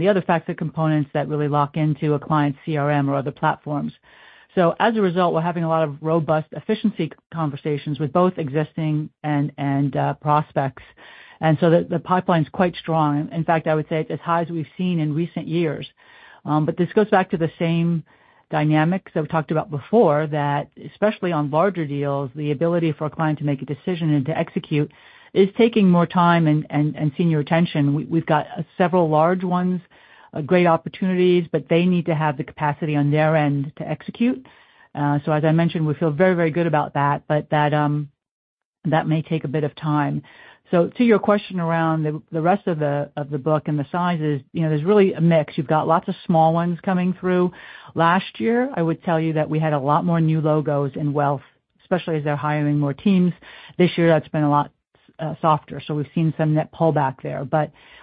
the other FactSet components that really lock into a client's CRM or other platforms. As a result, we're having a lot of robust efficiency conversations with both existing and prospects. The pipeline's quite strong. In fact, I would say it's as high as we've seen in recent years. This goes back to the same dynamics that we talked about before, that especially on larger deals, the ability for a client to make a decision and to execute is taking more time and senior attention. We've got several large ones, great opportunities, but they need to have the capacity on their end to execute. As I mentioned, we feel very, very good about that, but that may take a bit of time. To your question around the rest of the book and the sizes, you know, there's really a mix. You've got lots of small ones coming through. Last year, I would tell you that we had a lot more new logos in wealth, especially as they're hiring more teams. This year, that's been a lot softer. We've seen some net pullback there.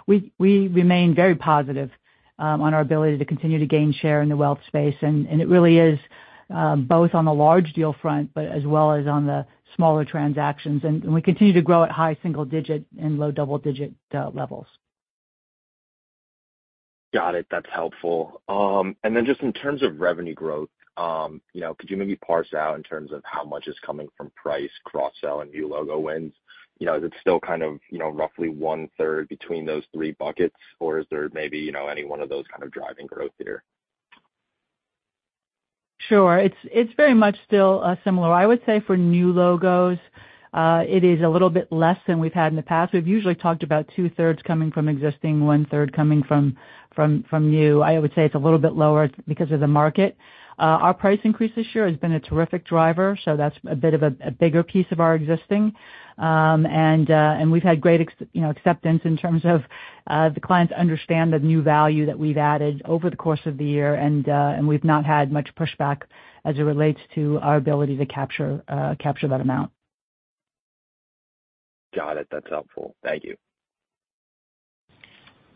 We remain very positive on our ability to continue to gain share in the wealth space, it really is both on the large deal front, but as well as on the smaller transactions. We continue to grow at high single digit and low double digit levels. Got it. That's helpful. Then just in terms of revenue growth, you know, could you maybe parse out in terms of how much is coming from price, cross-sell and new logo wins? You know, is it still kind of, you know, roughly 1/3 between those three buckets, or is there maybe, you know, any one of those kind of driving growth here? Sure. It's, it's very much still, similar. I would say for new logos, it is a little bit less than we've had in the past. We've usually talked about 2/3 coming from existing, 1/3 coming from new. I would say it's a little bit lower because of the market. Our price increase this year has been a terrific driver, so that's a bit of a bigger piece of our existing. We've had great you know, acceptance in terms of, the clients understand the new value that we've added over the course of the year, and we've not had much pushback as it relates to our ability to capture that amount. Got it. That's helpful. Thank you.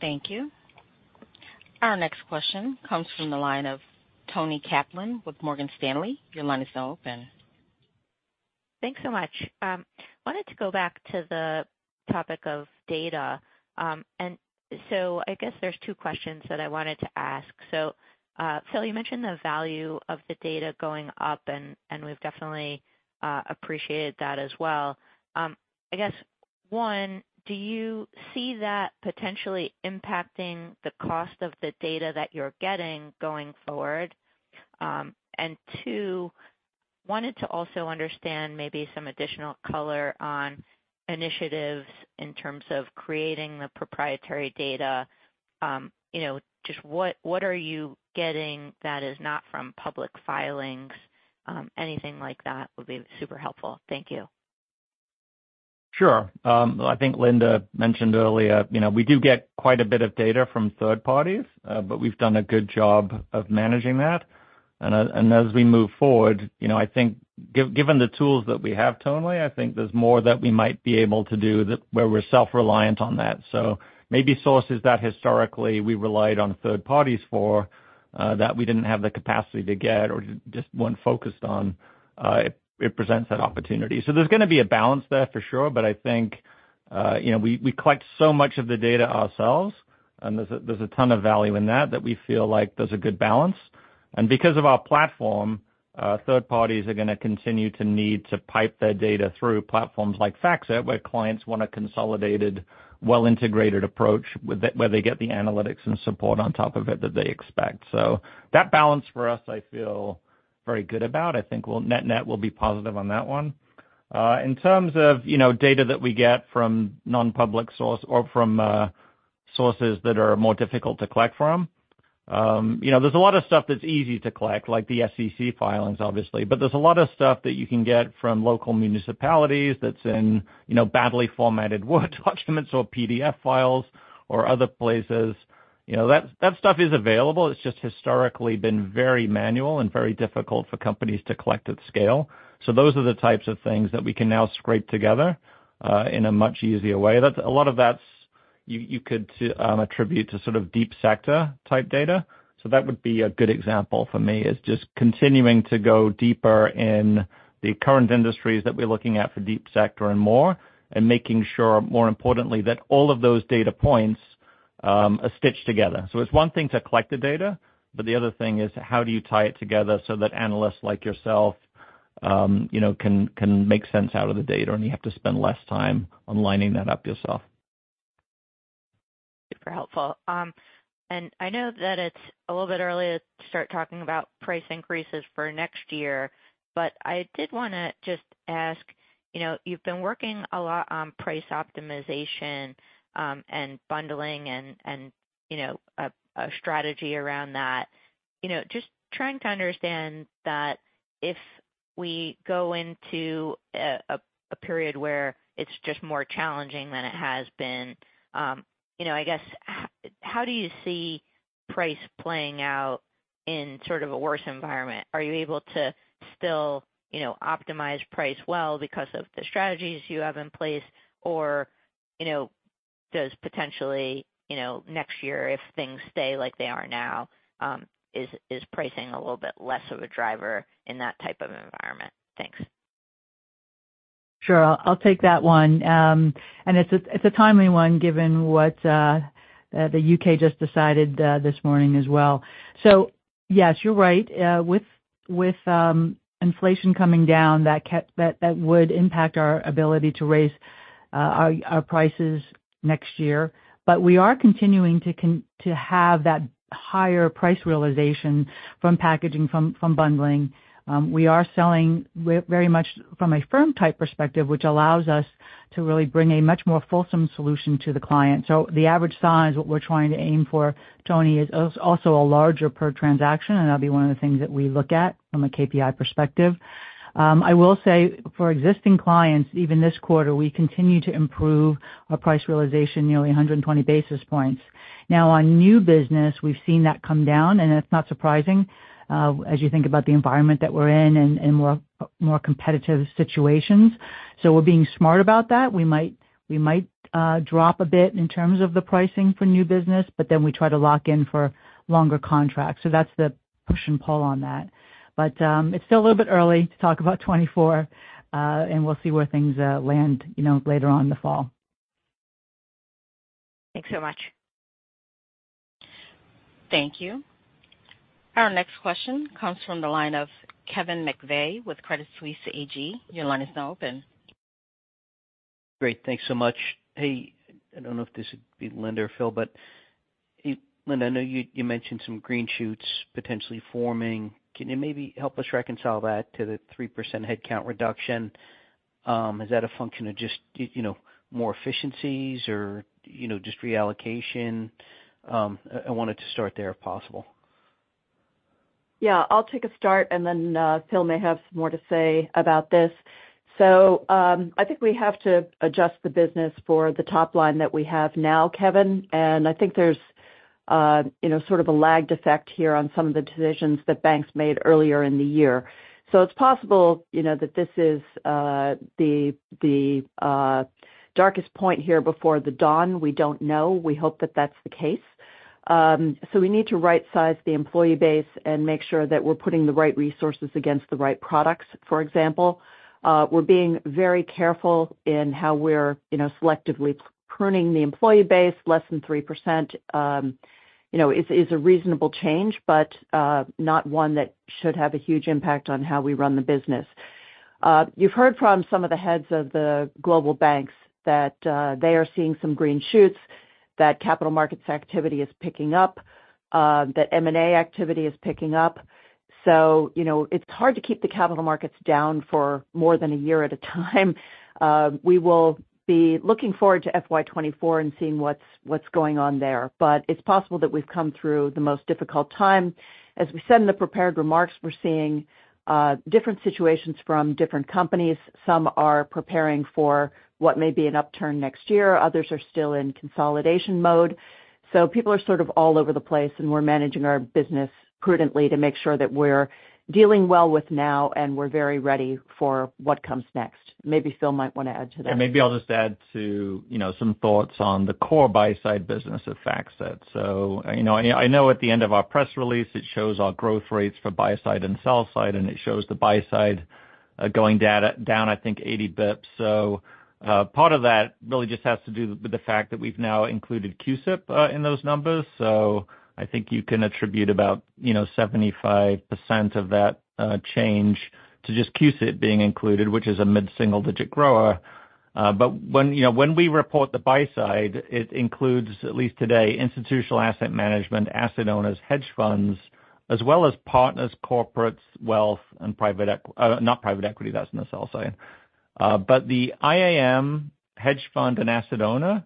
Thank you. Our next question comes from the line of Toni Kaplan with Morgan Stanley. Your line is now open. Thanks so much. Wanted to go back to the topic of data. I guess there's two questions that I wanted to ask. Phil, you mentioned the value of the data going up, we've definitely appreciated that as well. I guess, one, do you see that potentially impacting the cost of the data that you're getting going forward? Two, wanted to also understand maybe some additional color on initiatives in terms of creating the proprietary data. You know, just what are you getting that is not from public filings? Anything like that would be super helpful. Thank you. Sure. I think Linda mentioned earlier, you know, we do get quite a bit of data from third parties, but we've done a good job of managing that. As we move forward, you know, I think given the tools that we have, Toni, I think there's more that we might be able to do that where we're self-reliant on that. Maybe sources that historically we relied on third parties for, that we didn't have the capacity to get or just weren't focused on, it presents that opportunity. There's gonna be a balance there, for sure, but I think, you know, we collect so much of the data ourselves, and there's a ton of value in that we feel like there's a good balance. Because of our platform, third parties are gonna continue to need to pipe their data through platforms like FactSet, where clients want a consolidated, well-integrated approach, where they get the analytics and support on top of it that they expect. That balance for us, I feel very good about. I think net net will be positive on that one. In terms of, you know, data that we get from non-public source or from, sources that are more difficult to collect from, you know, there's a lot of stuff that's easy to collect, like the SEC filings, obviously. There's a lot of stuff that you can get from local municipalities that's in, you know, badly formatted Word documents or PDF files or other places. You know, that stuff is available. It's just historically been very manual and very difficult for companies to collect at scale. Those are the types of things that we can now scrape together in a much easier way. A lot of that's you could attribute to sort of Deep Sector type data. That would be a good example for me, is just continuing to go deeper in the current industries that we're looking at for Deep Sector and more, and making sure, more importantly, that all of those data points are stitched together. It's one thing to collect the data, but the other thing is how do you tie it together so that analysts like yourself, you know, can make sense out of the data, and you have to spend less time on lining that up yourself. Super helpful. I know that it's a little bit early to start talking about price increases for next year, but I did wanna just ask, you know, you've been working a lot on price optimization, and bundling and, you know, a strategy around that. You know, just trying to understand that if we go into a period where it's just more challenging than it has been, you know, I guess, how do you see price playing out in sort of a worse environment? Are you able to still, you know, optimize price well because of the strategies you have in place? You know, does potentially, you know, next year, if things stay like they are now, is pricing a little bit less of a driver in that type of environment? Thanks. Sure. I'll take that one. And it's a timely one, given what the U.K. just decided this morning as well. Yes, you're right. With inflation coming down, that would impact our ability to raise our prices next year. We are continuing to have that higher price realization from packaging, from bundling. We are selling very much from a firm-type perspective, which allows us to really bring a much more fulsome solution to the client. The average size, what we're trying to aim for, Toni, is also a larger per transaction, and that'll be one of the things that we look at from a KPI perspective. I will say, for existing clients, even this quarter, we continue to improve our price realization nearly 120 basis points. On new business, we've seen that come down, and that's not surprising, as you think about the environment that we're in and more competitive situations. We're being smart about that. We might drop a bit in terms of the pricing for new business, but then we try to lock in for longer contracts. That's the push and pull on that. It's still a little bit early to talk about 2024, and we'll see where things land, you know, later on in the fall. Thanks so much. Thank you. Our next question comes from the line of Kevin McVeigh with Credit Suisse AG. Your line is now open. Great. Thanks so much. I don't know if this would be Linda or Phil, but Linda, I know you mentioned some green shoots potentially forming. Can you maybe help us reconcile that to the 3% headcount reduction? Is that a function of just, you know, more efficiencies or, you know, just reallocation? I wanted to start there, if possible. Yeah, I'll take a start, and then Phil may have more to say about this. I think we have to adjust the business for the top line that we have now, Kevin, and I think there's, you know, sort of a lagged effect here on some of the decisions that banks made earlier in the year. It's possible, you know, that this is the darkest point here before the dawn. We don't know. We hope that that's the case. We need to rightsize the employee base and make sure that we're putting the right resources against the right products, for example. We're being very careful in how we're, you know, selectively pruning the employee base. Less than 3%, you know, is a reasonable change, but not one that should have a huge impact on how we run the business. You've heard from some of the heads of the global banks that they are seeing some green shoots, that capital markets activity is picking up, that M&A activity is picking up. You know, it's hard to keep the capital markets down for more than a year at a time. We will be looking forward to FY 2024 and seeing what's going on there. It's possible that we've come through the most difficult time. As we said in the prepared remarks, we're seeing different situations from different companies. Some are preparing for what may be an upturn next year. Others are still in consolidation mode.... People are sort of all over the place, and we're managing our business prudently to make sure that we're dealing well with now, and we're very ready for what comes next. Maybe Phil might want to add to that. Yeah, maybe I'll just add to, you know, some thoughts on the core buy-side business of FactSet. You know, I know at the end of our press release, it shows our growth rates for buy side and sell side, and it shows the buy side going down, I think, 80 basis points. Part of that really just has to do with the fact that we've now included CUSIP in those numbers. I think you can attribute about, you know, 75% of that change to just CUSIP being included, which is a mid-single digit grower. When, you know, when we report the buy side, it includes, at least today, institutional asset management, asset owners, hedge funds, as well as partners, corporates, wealth, and not private equity, that's in the sell side. The IAM hedge fund and asset owner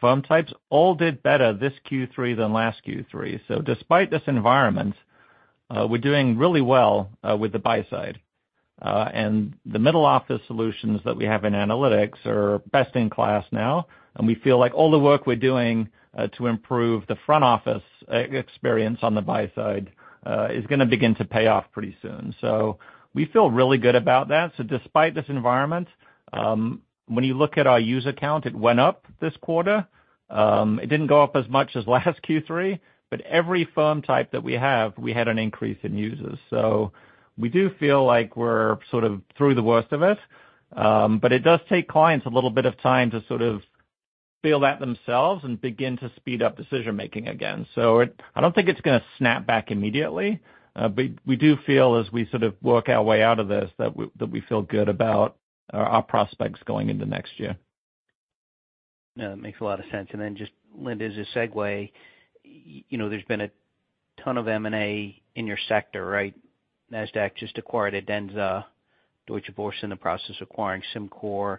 firm types all did better this Q3 than last Q3. Despite this environment, we're doing really well with the buy side. The middle office solutions that we have in analytics are best in class now, and we feel like all the work we're doing to improve the front office experience on the buy side is gonna begin to pay off pretty soon. We feel really good about that. Despite this environment, when you look at our user count, it went up this quarter. It didn't go up as much as last Q3, but every firm type that we have, we had an increase in users. We do feel like we're sort of through the worst of it, but it does take clients a little bit of time to sort of feel that themselves and begin to speed up decision making again. I don't think it's gonna snap back immediately, but we do feel as we sort of work our way out of this, that we feel good about our prospects going into next year. Yeah, that makes a lot of sense. Just, Linda, as a segue, you know, there's been a ton of M&A in your sector, right? Nasdaq just acquired Adenza. Deutsche Börse in the process of acquiring SimCorp,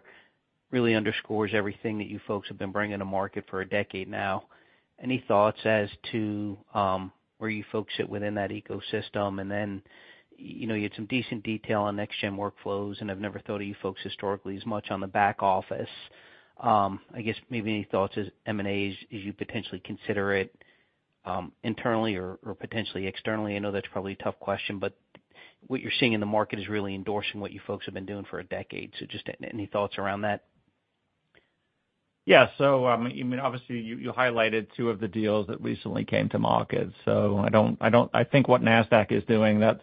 really underscores everything that you folks have been bringing to market for a decade now. Any thoughts as to where you folks sit within that ecosystem? Then, you know, you had some decent detail on next gen workflows, and I've never thought of you folks historically as much on the back office. I guess maybe any thoughts as M&As as you potentially consider it internally or potentially externally? I know that's probably a tough question, but what you're seeing in the market is really endorsing what you folks have been doing for a decade. Just any thoughts around that? I mean, obviously, you highlighted two of the deals that recently came to market. I think what Nasdaq is doing, that's,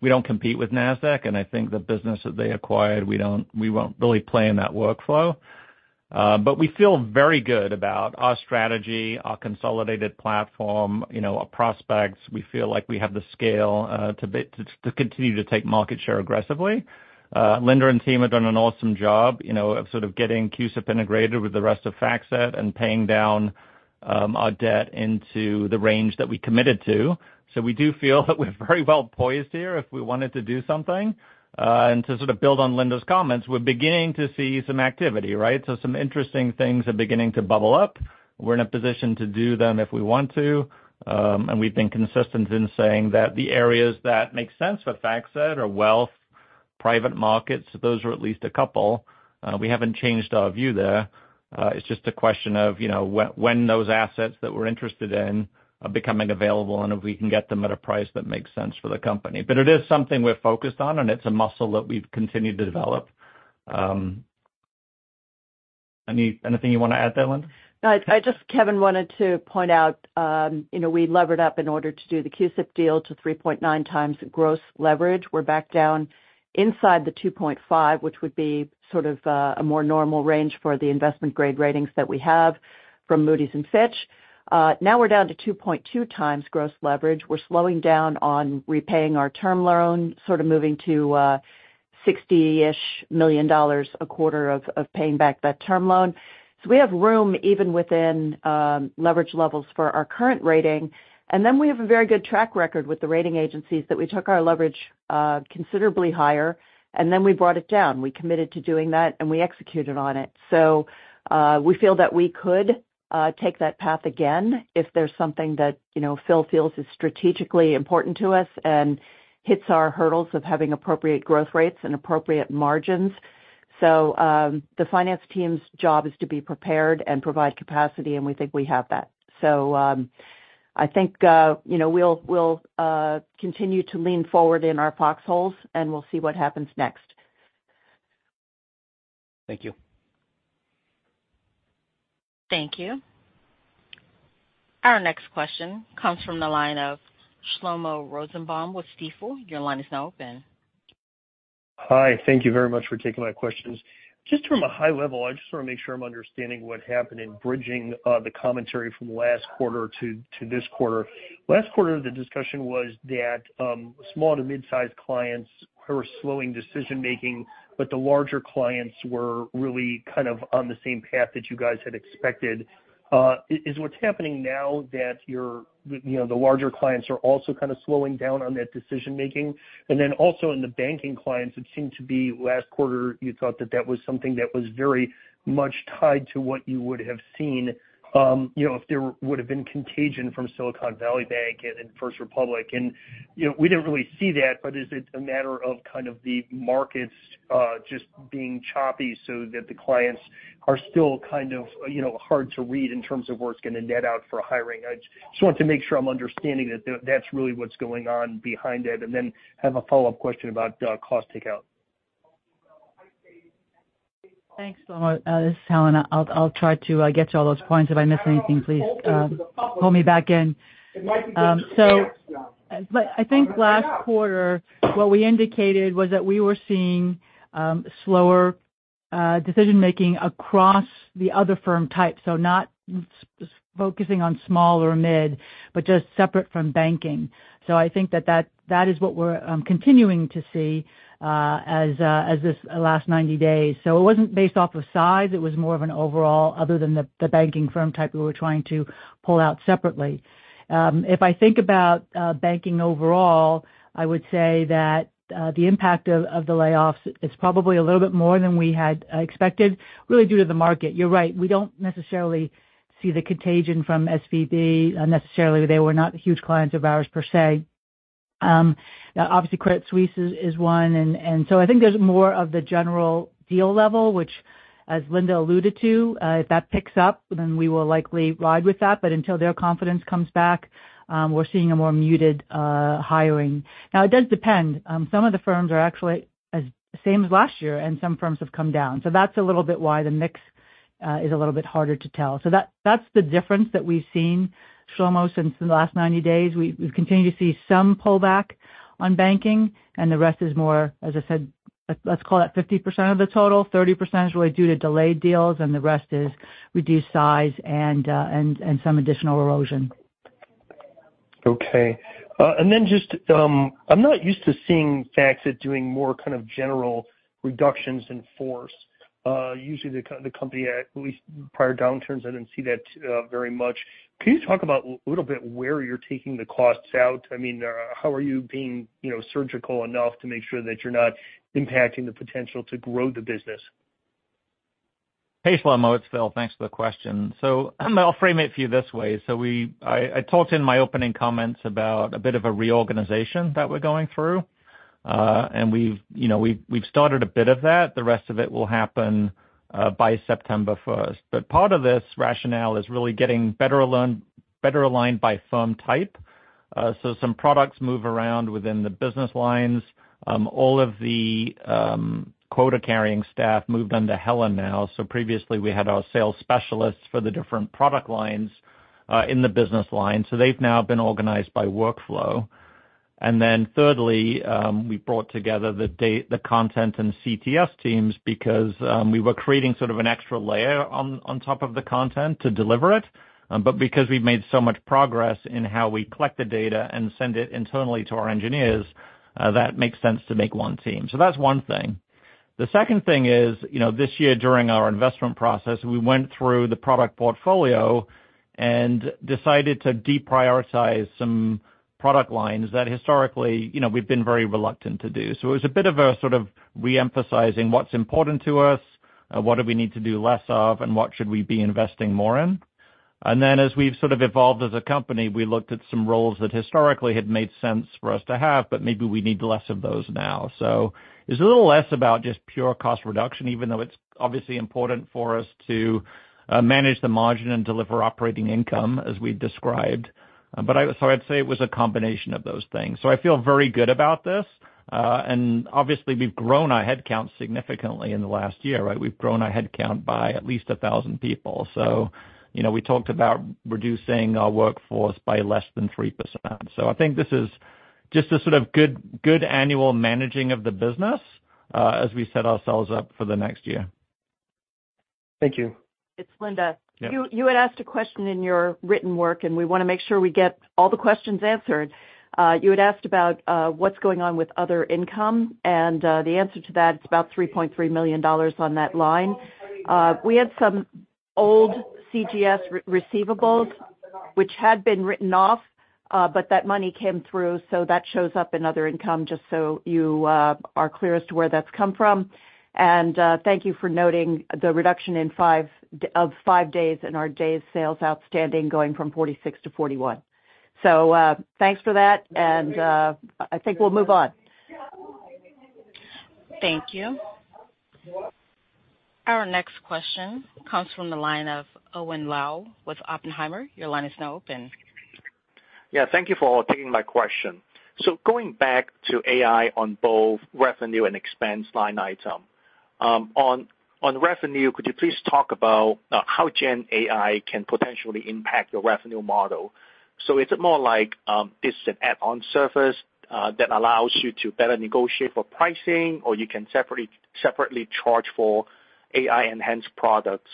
we don't compete with Nasdaq, and I think the business that they acquired, we don't, we won't really play in that workflow. We feel very good about our strategy, our consolidated platform, you know, our prospects. We feel like we have the scale to continue to take market share aggressively. Linda and team have done an awesome job, you know, of sort of getting CUSIP integrated with the rest of FactSet and paying down our debt into the range that we committed to. We do feel that we're very well poised here if we wanted to do something. To sort of build on Linda's comments, we're beginning to see some activity, right? Some interesting things are beginning to bubble up. We're in a position to do them if we want to, and we've been consistent in saying that the areas that make sense for FactSet are wealth, private markets, those are at least a couple. We haven't changed our view there. It's just a question of, you know, when those assets that we're interested in are becoming available, and if we can get them at a price that makes sense for the company. It is something we're focused on, and it's a muscle that we've continued to develop. Anything you wanna add there, Linda? No, I just, Kevin, wanted to point out, you know, we levered up in order to do the CUSIP deal to 3.9x gross leverage. We're back down inside the 2.5, which would be sort of a more normal range for the investment grade ratings that we have from Moody's and Fitch. Now we're down to 2.2xgross leverage. We're slowing down on repaying our term loan, sort of moving to $60-ish million a quarter of paying back that term loan. We have room even within leverage levels for our current rating. We have a very good track record with the rating agencies that we took our leverage considerably higher, we brought it down. We committed to doing that, we executed on it. We feel that we could take that path again if there's something that, you know, Phil feels is strategically important to us and hits our hurdles of having appropriate growth rates and appropriate margins. The finance team's job is to be prepared and provide capacity, and we think we have that. I think, you know, we'll continue to lean forward in our foxholes, and we'll see what happens next. Thank you. Thank you. Our next question comes from the line of Shlomo Rosenbaum with Stifel. Your line is now open. Hi, thank you very much for taking my questions. Just from a high level, I just wanna make sure I'm understanding what happened in bridging the commentary from last quarter to this quarter. Last quarter, the discussion was that small to mid-sized clients were slowing decision-making, but the larger clients were really kind of on the same path that you guys had expected. Is what's happening now that your, you know, the larger clients are also kind of slowing down on that decision making? And then also in the banking clients, it seemed to be last quarter, you thought that that was something that was very much tied to what you would have seen, you know, if there would've been contagion from Silicon Valley Bank and First Republic. You know, we didn't really see that, but is it a matter of kind of the markets just being choppy so that the clients are still kind of, you know, hard to read in terms of where it's gonna net out for hiring? I just want to make sure I'm understanding that's really what's going on behind it, and then have a follow-up question about cost takeout.... Thanks, Shlomo. This is Helen. I'll try to get to all those points. If I miss anything, please pull me back in. But I think last quarter, what we indicated was that we were seeing slower decision-making across the other firm types. Not just focusing on small or mid, but just separate from banking. I think that is what we're continuing to see as this last 90 days. It wasn't based off of size, it was more of an overall, other than the banking firm type we were trying to pull out separately. If I think about banking overall, I would say that the impact of the layoffs is probably a little bit more than we had expected, really due to the market. You're right, we don't necessarily see the contagion from SVB necessarily. They were not huge clients of ours, per se. Obviously, Credit Suisse is one, and so I think there's more of the general deal level, which, as Linda alluded to, if that picks up, then we will likely ride with that. Until their confidence comes back, we're seeing a more muted hiring. Now, it does depend. Some of the firms are actually as same as last year, and some firms have come down. That's a little bit why the mix is a little bit harder to tell. That's the difference that we've seen, Shlomo, since the last 90 days. We've continued to see some pullback on banking, and the rest is more, as I said, let's call it 50% of the total. 30% is really due to delayed deals, the rest is reduced size and some additional erosion. Okay. Then just, I'm not used to seeing FactSet doing more kind of general reductions in force. Usually the company, at least prior downturns, I didn't see that very much. Can you talk about a little bit where you're taking the costs out? I mean, how are you being, you know, surgical enough to make sure that you're not impacting the potential to grow the business? Hey, Shlomo, it's Phil. Thanks for the question. I'll frame it for you this way: I talked in my opening comments about a bit of a reorganization that we're going through. We've, you know, we've started a bit of that. The rest of it will happen by September 1st. Part of this rationale is really getting better aligned by firm type. Some products move around within the business lines. All of the quota-carrying staff moved onto Helen now. Previously, we had our sales specialists for the different product lines in the business line, so they've now been organized by workflow. Thirdly, we brought together the content and CTS teams because we were creating sort of an extra layer on top of the content to deliver it. Because we've made so much progress in how we collect the data and send it internally to our engineers, that makes sense to make one team. That's one thing. The second thing is, you know, this year, during our investment process, we went through the product portfolio and decided to deprioritize some product lines that historically, you know, we've been very reluctant to do. It was a bit of a sort of re-emphasizing what's important to us, what do we need to do less of, and what should we be investing more in. Then, as we've sort of evolved as a company, we looked at some roles that historically had made sense for us to have, but maybe we need less of those now. It's a little less about just pure cost reduction, even though it's obviously important for us to manage the margin and deliver operating income, as we described. I'd say it was a combination of those things. I feel very good about this. And obviously, we've grown our headcount significantly in the last year, right? We've grown our headcount by at least 1,000 people. You know, we talked about reducing our workforce by less than 3%. I think this is just a sort of good annual managing of the business, as we set ourselves up for the next year. Thank you. It's Linda. Yeah. You had asked a question in your written work, and we wanna make sure we get all the questions answered. You had asked about what's going on with other income, and the answer to that, it's about $3.3 million on that line. We had some old CGS receivables, which had been written off, but that money came through, so that shows up in other income, just so you are clear as to where that's come from. Thank you for noting the reduction in five days in our days sales outstanding, going from 46 to 41. Thanks for that, and I think we'll move on. Thank you. Our next question comes from the line of Owen Lau with Oppenheimer. Your line is now open. Yeah, thank you for taking my question. Going back to AI on both revenue and expense line item. On revenue, could you please talk about how Gen AI can potentially impact your revenue model? Is it more like this is an add-on service that allows you to better negotiate for pricing, or you can separately charge for AI-enhanced products?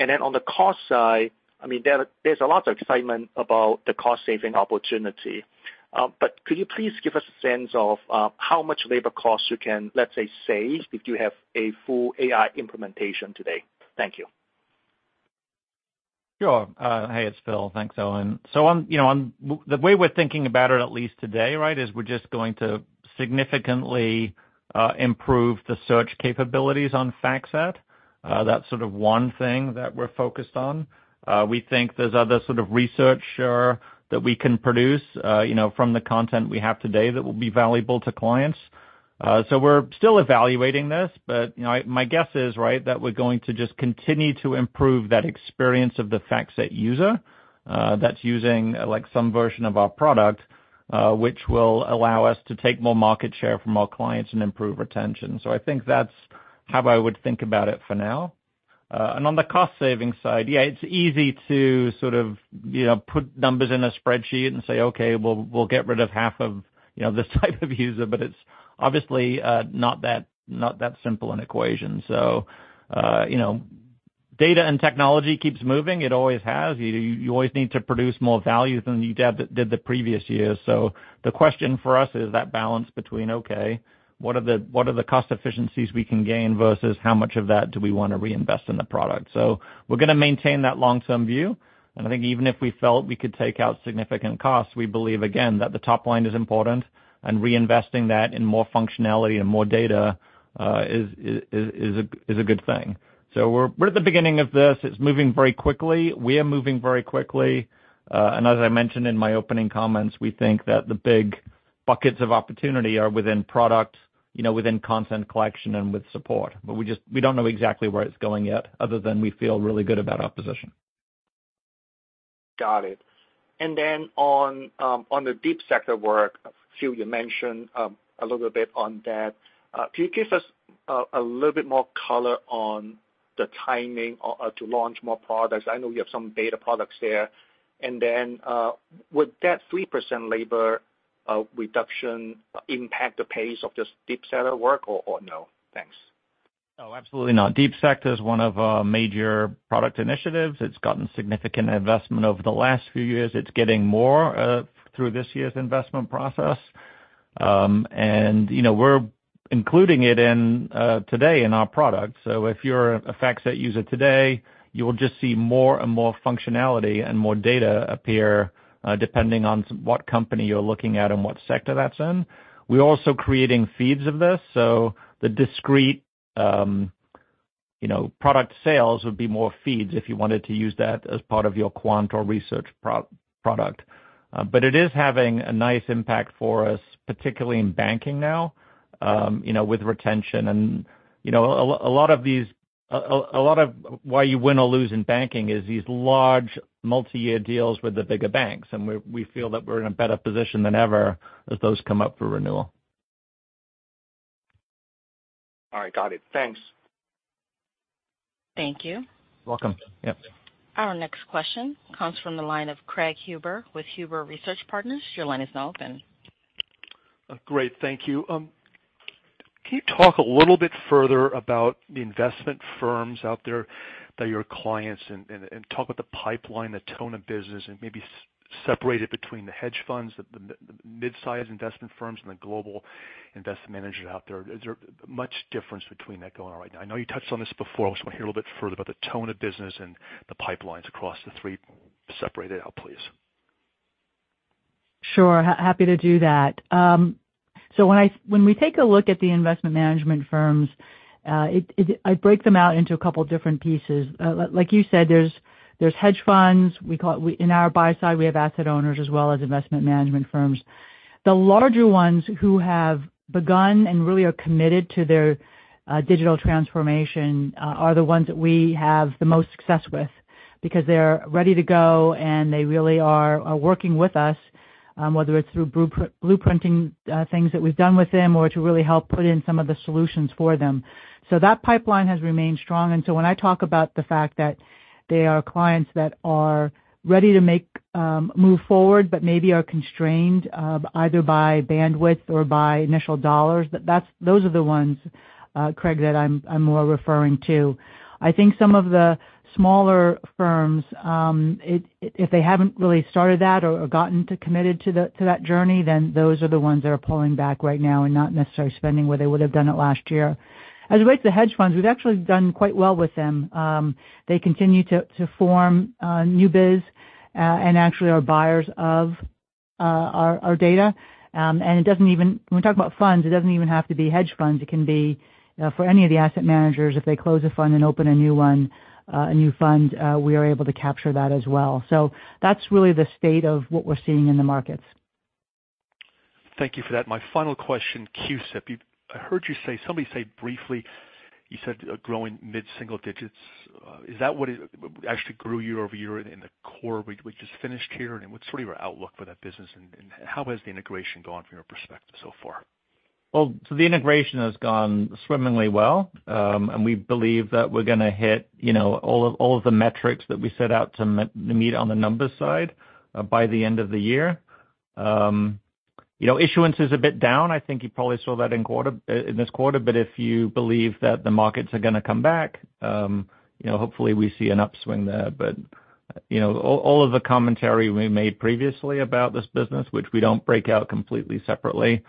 On the cost side, I mean, there's a lot of excitement about the cost-saving opportunity. Could you please give us a sense of how much labor costs you can, let's say, save if you have a full AI implementation today? Thank you. Sure. Hey, it's Phil. Thanks, Owen. You know, the way we're thinking about it, at least today, right, is we're just going to significantly improve the search capabilities on FactSet. That's sort of one thing that we're focused on. We think there's other sort of research here that we can produce, you know, from the content we have today that will be valuable to clients. So we're still evaluating this, but, you know, My guess is, right, that we're going to just continue to improve that experience of the FactSet user, that's using, like, some version of our product. Which will allow us to take more market share from our clients and improve retention. I think that's how I would think about it for now. On the cost saving side, yeah, it's easy to sort of, you know, put numbers in a spreadsheet and say, "Okay, we'll get rid of half of, you know, this type of user," but it's obviously not that, not that simple an equation. You know, data and technology keeps moving. It always has. You always need to produce more value than you did the previous year. The question for us is that balance between, okay, what are the cost efficiencies we can gain versus how much of that do we want to reinvest in the product? We're gonna maintain that long-term view. I think even if we felt we could take out significant costs, we believe, again, that the top line is important, and reinvesting that in more functionality and more data is a good thing. We're at the beginning of this. It's moving very quickly. We are moving very quickly. As I mentioned in my opening comments, we think that the big buckets of opportunity are within product, you know, within content collection and with support. We don't know exactly where it's going yet, other than we feel really good about our position. Got it. Then on the Deep Sector work, a few you mentioned a little bit on that. Can you give us a little bit more color on the timing to launch more products? I know you have some beta products there. Then would that 3% labor reduction impact the pace of this Deep Sector work or no? Thanks. Oh, absolutely not. Deep Sector is one of our major product initiatives. It's gotten significant investment over the last few years. It's getting more through this year's investment process. You know, we're including it in today in our product. If you're a FactSet user today, you will just see more and more functionality and more data appear depending on what company you're looking at and what sector that's in. We're also creating feeds of this, so the discrete, you know, product sales would be more feeds if you wanted to use that as part of your quant or research product. It is having a nice impact for us, particularly in banking now, you know, with retention. You know, a lot of these, a lot of why you win or lose in banking is these large multiyear deals with the bigger banks, we feel that we're in a better position than ever as those come up for renewal. All right. Got it. Thanks. Thank you. Welcome. Yep. Our next question comes from the line of Craig Huber with Huber Research Partners. Your line is now open. Great. Thank you. Can you talk a little bit further about the investment firms out there that are your clients and talk about the pipeline, the tone of business, and maybe separate it between the hedge funds, the midsize investment firms, and the global investment managers out there. Is there much difference between that going on right now? I know you touched on this before. I just want to hear a little bit further about the tone of business and the pipelines across the three. Separate it out, please. Sure. Happy to do that. So when we take a look at the investment management firms, it I break them out into a couple different pieces. Like you said, there's hedge funds, we call it in our buy side, we have asset owners as well as investment management firms. The larger ones who have begun and really are committed to their digital transformation, are the ones that we have the most success with because they're ready to go, and they really are working with us, whether it's through blueprinting, things that we've done with them or to really help put in some of the solutions for them. That pipeline has remained strong, when I talk about the fact that they are clients that are ready to make move forward, but maybe are constrained either by bandwidth or by initial dollars, those are the ones, Craig, that I'm more referring to. I think some of the smaller firms, if they haven't really started that or gotten committed to that journey, then those are the ones that are pulling back right now and not necessarily spending where they would have done it last year. As with the hedge funds, we've actually done quite well with them. They continue to form new biz and actually are buyers of our data. It doesn't even when we talk about funds, it doesn't even have to be hedge funds. It can be for any of the asset managers, if they close a fund and open a new one, a new fund, we are able to capture that as well. That's really the state of what we're seeing in the markets. Thank you for that. My final question, CUSIP. I heard you say, somebody say briefly, you said, growing mid-single digits. Is that what it actually grew year-over-year in the core we just finished here, and what's sort of your outlook for that business, and how has the integration gone from your perspective so far? The integration has gone swimmingly well, and we believe that we're gonna hit, you know, all of the metrics that we set out to meet on the numbers side, by the end of the year. You know, issuance is a bit down. I think you probably saw that in quarter, in this quarter. If you believe that the markets are gonna come back, you know, hopefully, we see an upswing there. You know, all of the commentary we made previously about this business, which we don't break out completely separately,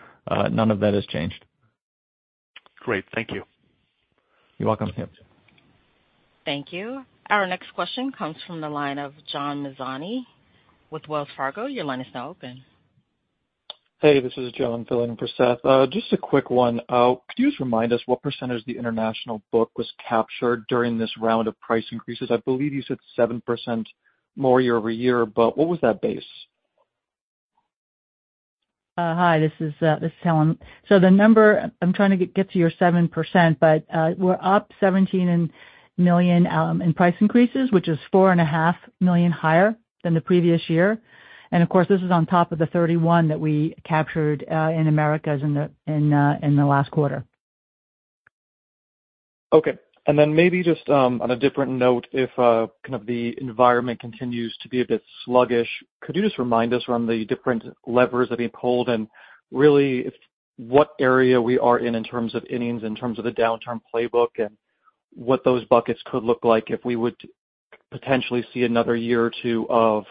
none of that has changed. Great. Thank you. You're welcome. Yep. Thank you. Our next question comes from the line of John Mazzoni with Wells Fargo. Your line is now open. Hey, this is John filling in for Seth. Just a quick one. Could you just remind us what % of the international book was captured during this round of price increases? I believe you said 7% more year-over-year, what was that base? Hi, this is Helen. The number, I'm trying to get to your 7%, but we're up $17 and million in price increases, which is $4.5 million higher than the previous year. Of course, this is on top of the $31 that we captured in Americas in the last quarter. Okay. Then maybe just on a different note, if kind of the environment continues to be a bit sluggish, could you just remind us around the different levers that being pulled and really what area we are in terms of innings, in terms of the downturn playbook, and what those buckets could look like if we would potentially see another year or two of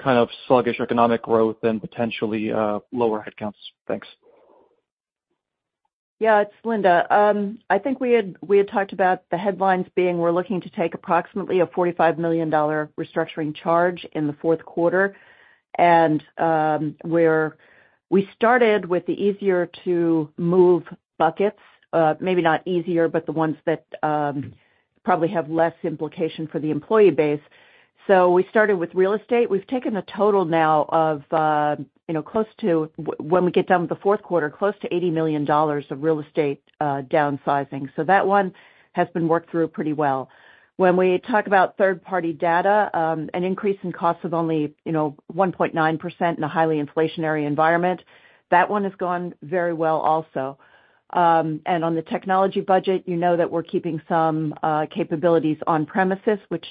kind of sluggish economic growth and potentially lower headcounts? Thanks. Yeah, it's Linda. I think we had talked about the headlines being, we're looking to take approximately a $45 million restructuring charge in the fourth quarter. We started with the easier-to-move buckets, maybe not easier, but the ones that, probably have less implication for the employee base. We started with real estate. We've taken a total now of, you know, close to when we get done with the fourth quarter, close to $80 million of real estate, downsizing. That one has been worked through pretty well. When we talk about third-party data, an increase in costs of only, you know, 1.9% in a highly inflationary environment, that one has gone very well also. On the technology budget, you know that we're keeping some capabilities on premises, which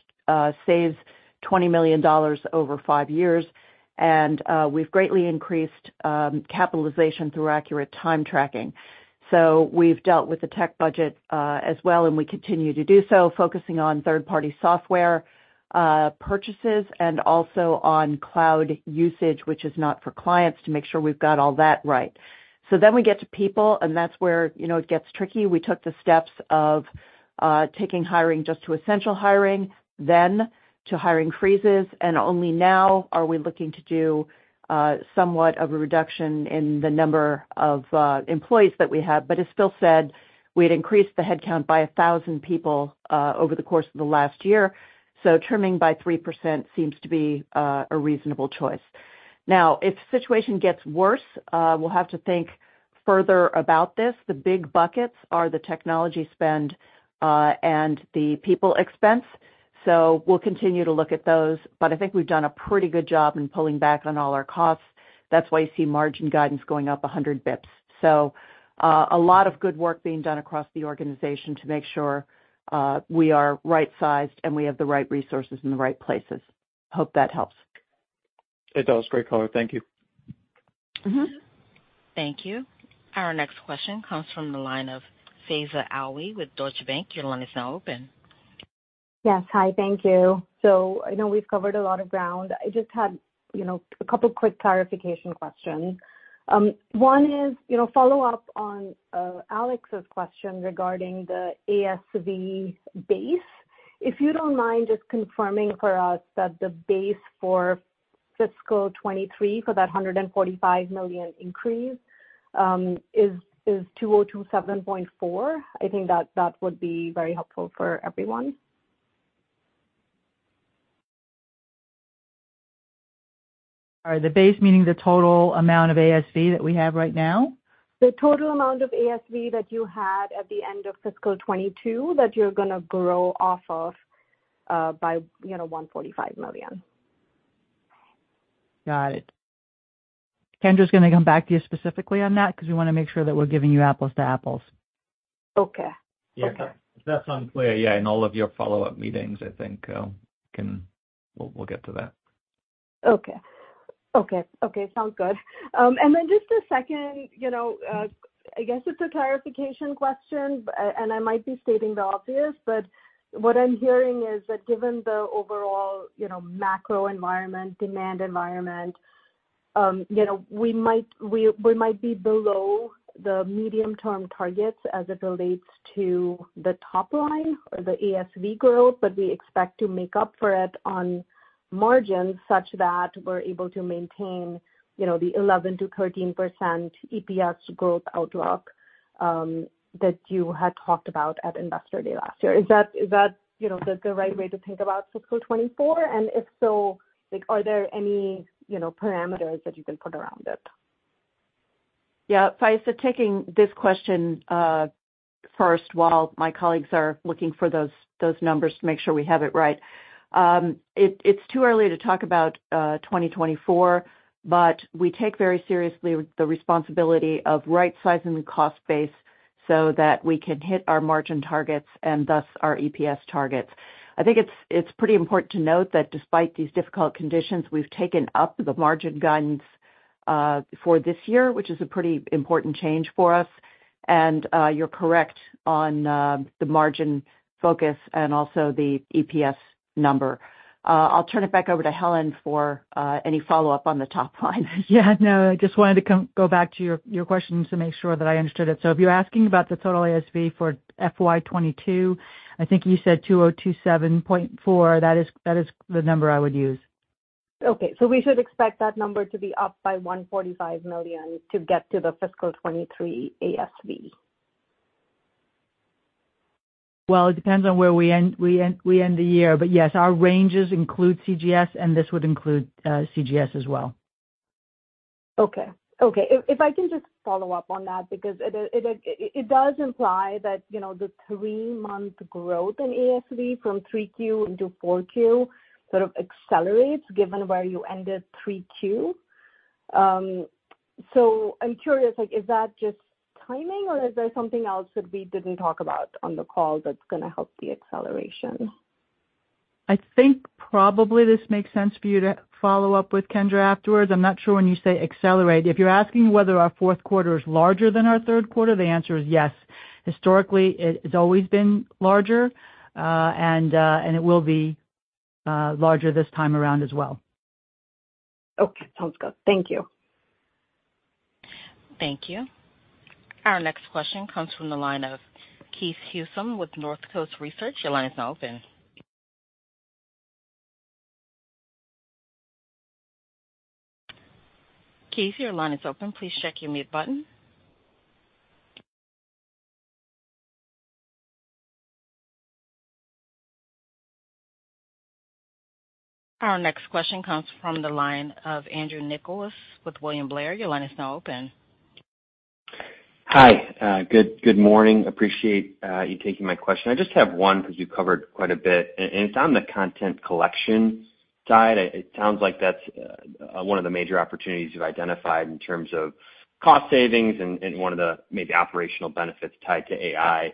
saves $20 million over five years, and we've greatly increased capitalization through accurate time tracking. We've dealt with the tech budget as well, and we continue to do so, focusing on third-party software purchases and also on cloud usage, which is not for clients, to make sure we've got all that right. We get to people, and that's where, you know, it gets tricky. We took the steps of taking hiring just to essential hiring, then to hiring freezes, and only now are we looking to do somewhat of a reduction in the number of employees that we have. As Phil said, we'd increased the headcount by 1,000 people over the course of the last year, trimming by 3% seems to be a reasonable choice. If the situation gets worse, we'll have to think further about this. The big buckets are the technology spend and the people expense, so we'll continue to look at those. I think we've done a pretty good job in pulling back on all our costs. That's why you see margin guidance going up 100 basis points. A lot of good work being done across the organization to make sure we are right-sized, and we have the right resources in the right places. Hope that helps. It does. Great color. Thank you. Mm-hmm. Thank you. Our next question comes from the line of Faiza Alwy with Deutsche Bank. Your line is now open. Yes. Hi, thank you. I know we've covered a lot of ground. I just had, you know, a couple quick clarification questions. One is, you know, follow-up on Alex's question regarding the ASV base. If you don't mind just confirming for us that the base for fiscal 2023, for that $145 million increase, is $2,027.4? I think that would be very helpful for everyone. All right. The base, meaning the total amount of ASV that we have right now? The total amount of ASV that you had at the end of fiscal 2022, that you're gonna grow off of, by, you know, $145 million. Got it. Kendra is gonna come back to you specifically on that, because we want to make sure that we're giving you apples to apples. Okay. Okay. Yeah, if that's unclear, yeah, in all of your follow-up meetings, I think, we'll get to that. Okay. Okay. Okay, sounds good. Then just a second, you know, I guess it's a clarification question, and I might be stating the obvious, but what I'm hearing is that given the overall, you know, macro environment, demand environment, you know, we might be below the medium-term targets as it relates to the top line or the ASV growth, but we expect to make up for it on margins such that we're able to maintain, you know, the 11%-13% EPS growth outlook that you had talked about at Investor Day last year. Is that, you know, the right way to think about fiscal 2024? If so, like, are there any, you know, parameters that you can put around it? Yeah, Faiza, taking this question first, while my colleagues are looking for those numbers to make sure we have it right. It's too early to talk about 2024, we take very seriously the responsibility of right-sizing the cost base so that we can hit our margin targets and thus our EPS targets. I think it's pretty important to note that despite these difficult conditions, we've taken up the margin guidance for this year, which is a pretty important change for us. You're correct on the margin focus and also the EPS number. I'll turn it back over to Helen for any follow-up on the top line. Yeah, no, I just wanted to go back to your questions to make sure that I understood it. If you're asking about the total ASV for FY 2022, I think you said $2,027.4. That is the number I would use. We should expect that number to be up by $145 million to get to the fiscal 2023 ASV? Well, it depends on where we end the year. Yes, our ranges include CGS, and this would include CGS as well. Okay. If I can just follow up on that, because it does imply that, you know, the three-month growth in ASV from 3Q into 4Q sort of accelerates, given where you ended 3Q. I'm curious, like, is that just timing, or is there something else that we didn't talk about on the call that's gonna help the acceleration? I think probably this makes sense for you to follow up with Kendra afterwards. I'm not sure when you say accelerate. If you're asking whether our fourth quarter is larger than our third quarter, the answer is yes. Historically, it has always been larger, and it will be, larger this time around as well. Okay, sounds good. Thank you. Thank you. Our next question comes from the line of Keith Housum with Northcoast Research. Your line is now open. Keith, your line is open. Please check your mute button. Our next question comes from the line of Andrew Nicholas with William Blair. Your line is now open. Hi. Good morning. Appreciate you taking my question. I just have one because you covered quite a bit, and it's on the content collection side. It sounds like that's one of the major opportunities you've identified in terms of cost savings and one of the maybe operational benefits tied to AI.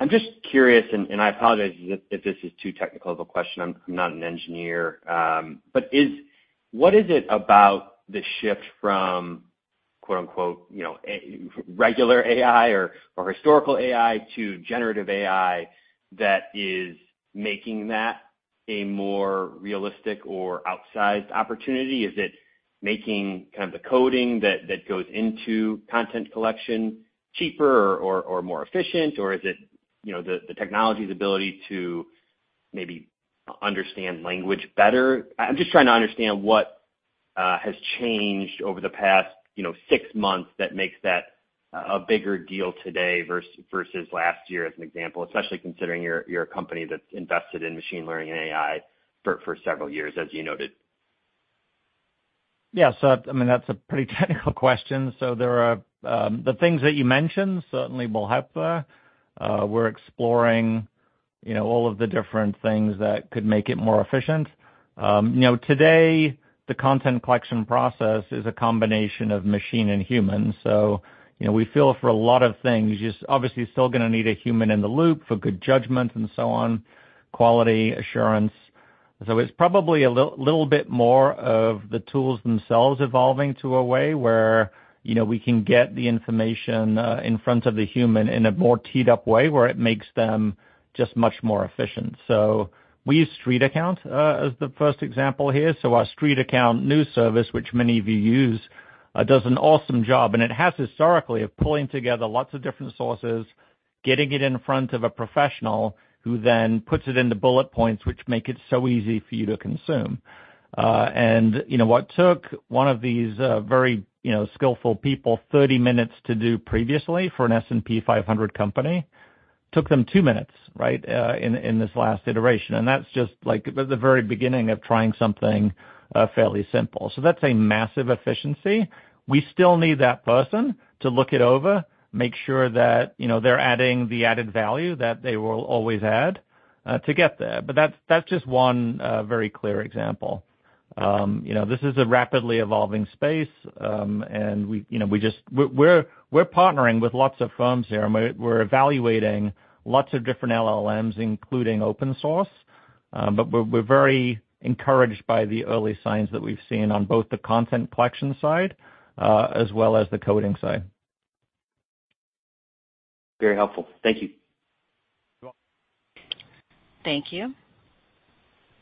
I'm just curious, and I apologize if this is too technical of a question, I'm not an engineer. What is it about the shift from, quote, unquote, you know, regular AI or historical AI to generative AI, that is making that a more realistic or outsized opportunity? Is it making kind of the coding that goes into content collection cheaper or more efficient? Or is it, you know, the technology's ability to maybe understand language better? I'm just trying to understand what has changed over the past, you know, six months that makes that a bigger deal today versus last year, as an example, especially considering you're a company that's invested in machine learning and AI for several years, as you noted. Yeah, I mean, that's a pretty technical question. There are, the things that you mentioned certainly will help there. We're exploring, you know, all of the different things that could make it more efficient. You know, today, the content collection process is a combination of machine and human. You know, we feel for a lot of things, you're obviously still gonna need a human in the loop for good judgment and so on, quality assurance. It's probably a little bit more of the tools themselves evolving to a way where, you know, we can get the information in front of the human in a more teed-up way, where it makes them just much more efficient. We use StreetAccount as the first example here. Our Street Account new service, which many of you use, does an awesome job, and it has historically, of pulling together lots of different sources, getting it in front of a professional, who then puts it into bullet points, which make it so easy for you to consume. You know, what took one of these, very, you know, skillful people 30 minutes to do previously for an S&P 500 company, took them two minutes, right, in this last iteration. That's just, like, the very beginning of trying something, fairly simple. That's a massive efficiency. We still need that person to look it over, make sure that, you know, they're adding the added value that they will always add, to get there. That's, that's just one, very clear example. you know, this is a rapidly evolving space, and we, you know, we just we're partnering with lots of firms here, and we're evaluating lots of different LLMs, including open source. We're very encouraged by the early signs that we've seen on both the content collection side, as well as the coding side. Very helpful. Thank you. Thank you.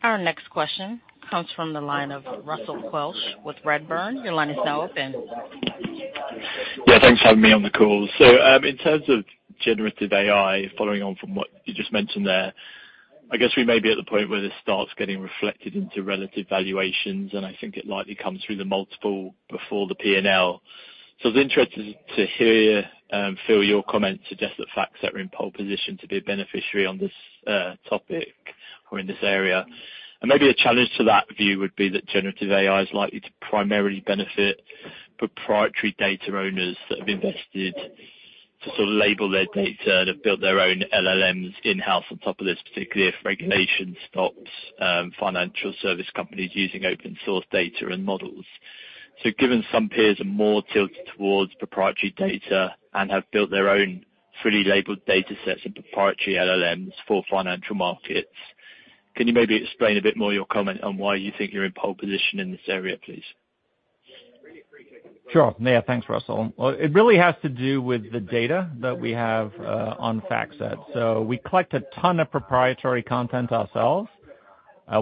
Our next question comes from the line of Russell Quelch with Redburn. Your line is now open. Yeah, thanks for having me on the call. In terms of generative AI, following on from what you just mentioned there, I guess we may be at the point where this starts getting reflected into relative valuations, and I think it likely comes through the multiple before the PNL. I was interested to hear, Phil, your comments suggest that FactSet are in pole position to be a beneficiary on this topic or in this area. Maybe a challenge to that view would be that generative AI is likely to primarily benefit proprietary data owners that have invested to sort of label their data to build their own LLMs in-house on top of this, particularly if regulation stops financial service companies using open-source data and models. Given some peers are more tilted towards proprietary data and have built their own fully labeled datasets and proprietary LLMs for financial markets, can you maybe explain a bit more your comment on why you think you're in pole position in this area, please? Sure. Yeah, thanks, Russell. Well, it really has to do with the data that we have on FactSet. We collect a ton of proprietary content ourselves.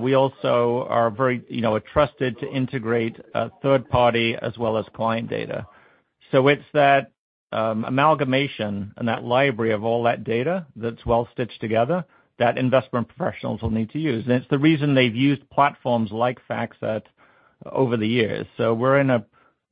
We also are very, you know, trusted to integrate third party as well as client data. It's that amalgamation and that library of all that data that's well stitched together, that investment professionals will need to use. It's the reason they've used platforms like FactSet over the years.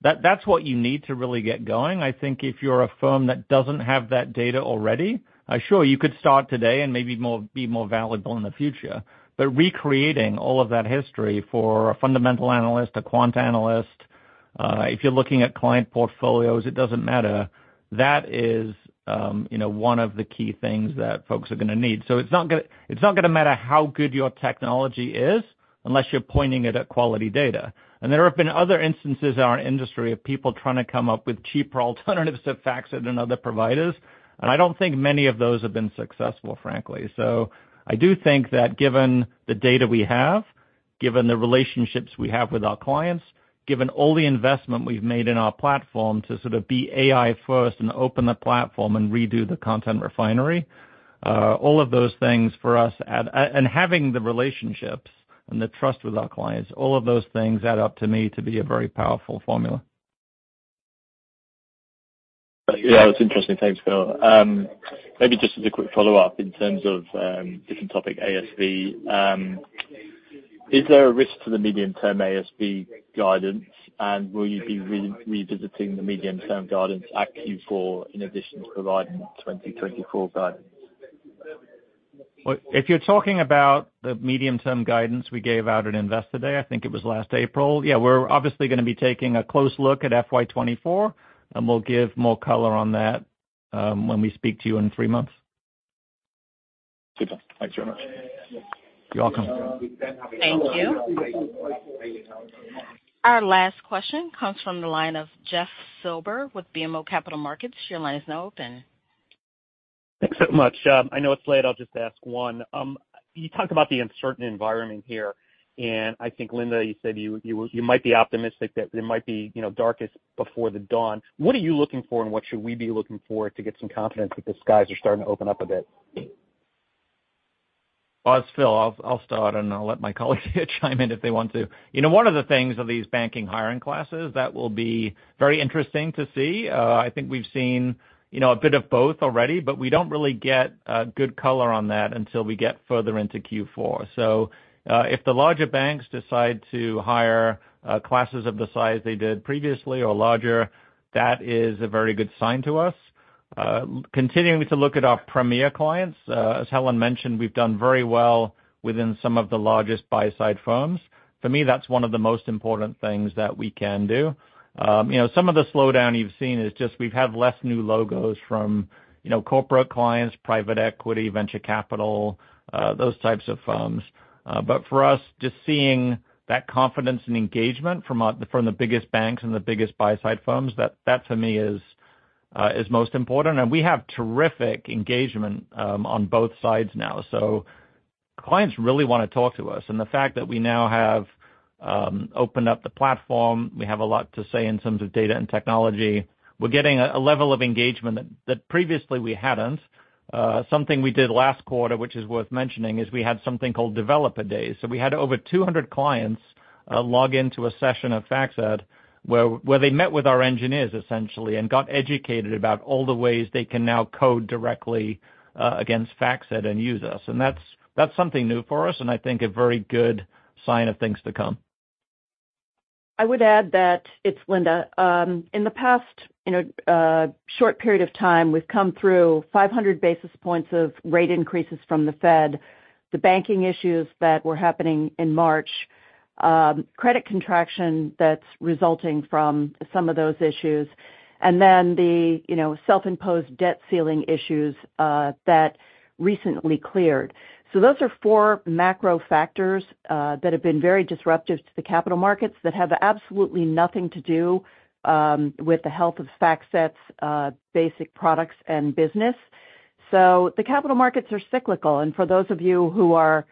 That's what you need to really get going. I think if you're a firm that doesn't have that data already, sure, you could start today and maybe more, be more valuable in the future. Recreating all of that history for a fundamental analyst, a quant analyst, if you're looking at client portfolios, it doesn't matter. That is, you know, one of the key things that folks are gonna need. It's not gonna, it's not gonna matter how good your technology is unless you're pointing it at quality data. There have been other instances in our industry of people trying to come up with cheaper alternatives to FactSet and other providers, and I don't think many of those have been successful, frankly. I do think that given the data we have, given the relationships we have with our clients, given all the investment we've made in our platform to sort of be AI first and open the platform and redo the Content Refinery, all of those things for us, and having the relationships and the trust with our clients, all of those things add up to me to be a very powerful formula. Yeah, that's interesting. Thanks, Phil. Maybe just as a quick follow-up in terms of, different topic, ASV. Is there a risk to the medium-term ASV guidance, and will you be revisiting the medium-term guidance at Q4 in addition to providing the 2024 guidance? If you're talking about the medium-term guidance we gave out at Investor Day, I think it was last April, yeah, we're obviously gonna be taking a close look at FY 2024, and we'll give more color on that when we speak to you in three months. Okay. Thanks very much. You're welcome. Thank you. Our last question comes from the line of Jeff Silber with BMO Capital Markets. Your line is now open. Thanks so much. I know it's late. I'll just ask one. You talked about the uncertain environment here. I think, Linda, you said you might be optimistic, that it might be, you know, darkest before the dawn. What are you looking for, and what should we be looking for to get some confidence that the skies are starting to open up a bit? Well, it's Phil. I'll start, and I'll let my colleagues here chime in if they want to. You know, one of the things are these banking hiring classes that will be very interesting to see. I think we've seen, you know, a bit of both already, but we don't really get a good color on that until we get further into Q4. If the larger banks decide to hire classes of the size they did previously or larger, that is a very good sign to us. Continuing to look at our premier clients, as Helen mentioned, we've done very well within some of the largest buy-side firms. For me, that's one of the most important things that we can do. You know, some of the slowdown you've seen is just we've had less new logos from corporate clients, private equity, venture capital, those types of firms. For us, just seeing that confidence and engagement from the biggest banks and the biggest buy-side firms, that to me is most important. We have terrific engagement on both sides now. Clients really wanna talk to us, the fact that we now have opened up the platform, we have a lot to say in terms of data and technology. We're getting a level of engagement that previously we hadn't. Something we did last quarter, which is worth mentioning, is we had something called Developer Days. We had over 200 clients, log into a session of FactSet, where they met with our engineers, essentially, and got educated about all the ways they can now code directly, against FactSet and use us. That's something new for us, and I think a very good sign of things to come. I would add that, it's Linda, in the past, you know, short period of time, we've come through 500 basis points of rate increases from the Fed, the banking issues that were happening in March, credit contraction that's resulting from some of those issues, and then the, you know, self-imposed debt ceiling issues, that recently cleared. Those are four macro factors, that have been very disruptive to the capital markets that have absolutely nothing to do with the health of FactSet's basic products and business. The capital markets are cyclical, and for those of you who are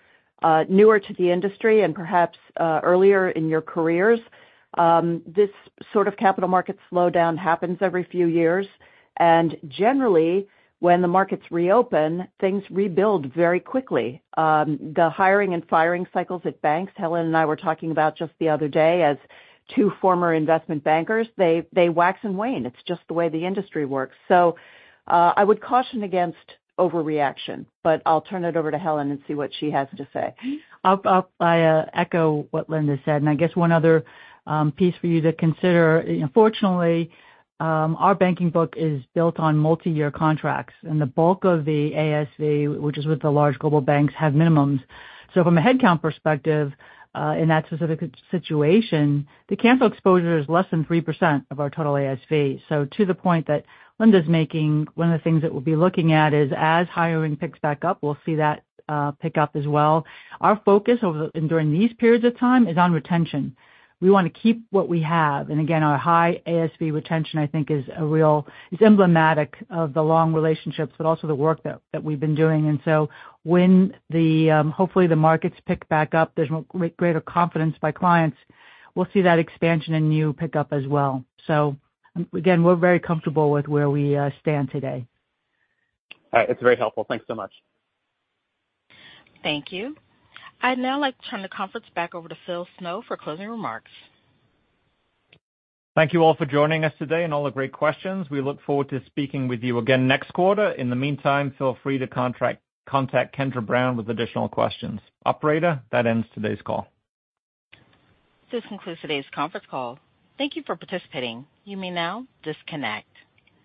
newer to the industry and perhaps earlier in your careers, this sort of capital market slowdown happens every few years. Generally, when the markets reopen, things rebuild very quickly. The hiring and firing cycles at banks, Helen and I were talking about just the other day as two former investment bankers, they wax and wane. It's just the way the industry works. I would caution against overreaction, but I'll turn it over to Helen and see what she has to say. I'll echo what Linda said, I guess one other piece for you to consider. You know, fortunately, our banking book is built on multiyear contracts, and the bulk of the ASV, which is with the large global banks, have minimums. From a headcount perspective, in that specific situation, the cancel exposure is less than 3% of our total ASV. To the point that Linda's making, one of the things that we'll be looking at is, as hiring picks back up, we'll see that pick up as well. Our focus over, and during these periods of time, is on retention. We want to keep what we have. Again, our high ASV retention, I think, is a real is emblematic of the long relationships, but also the work that we've been doing. When the, hopefully, the markets pick back up, there's greater confidence by clients, we'll see that expansion in new pick up as well. Again, we're very comfortable with where we stand today. All right. It's very helpful. Thanks so much. Thank you. I'd now like to turn the conference back over to Phil Snow for closing remarks. Thank you all for joining us today and all the great questions. We look forward to speaking with you again next quarter. In the meantime, feel free to contact Kendra Brown with additional questions. Operator, that ends today's call. This concludes today's conference call. Thank you for participating. You may now disconnect.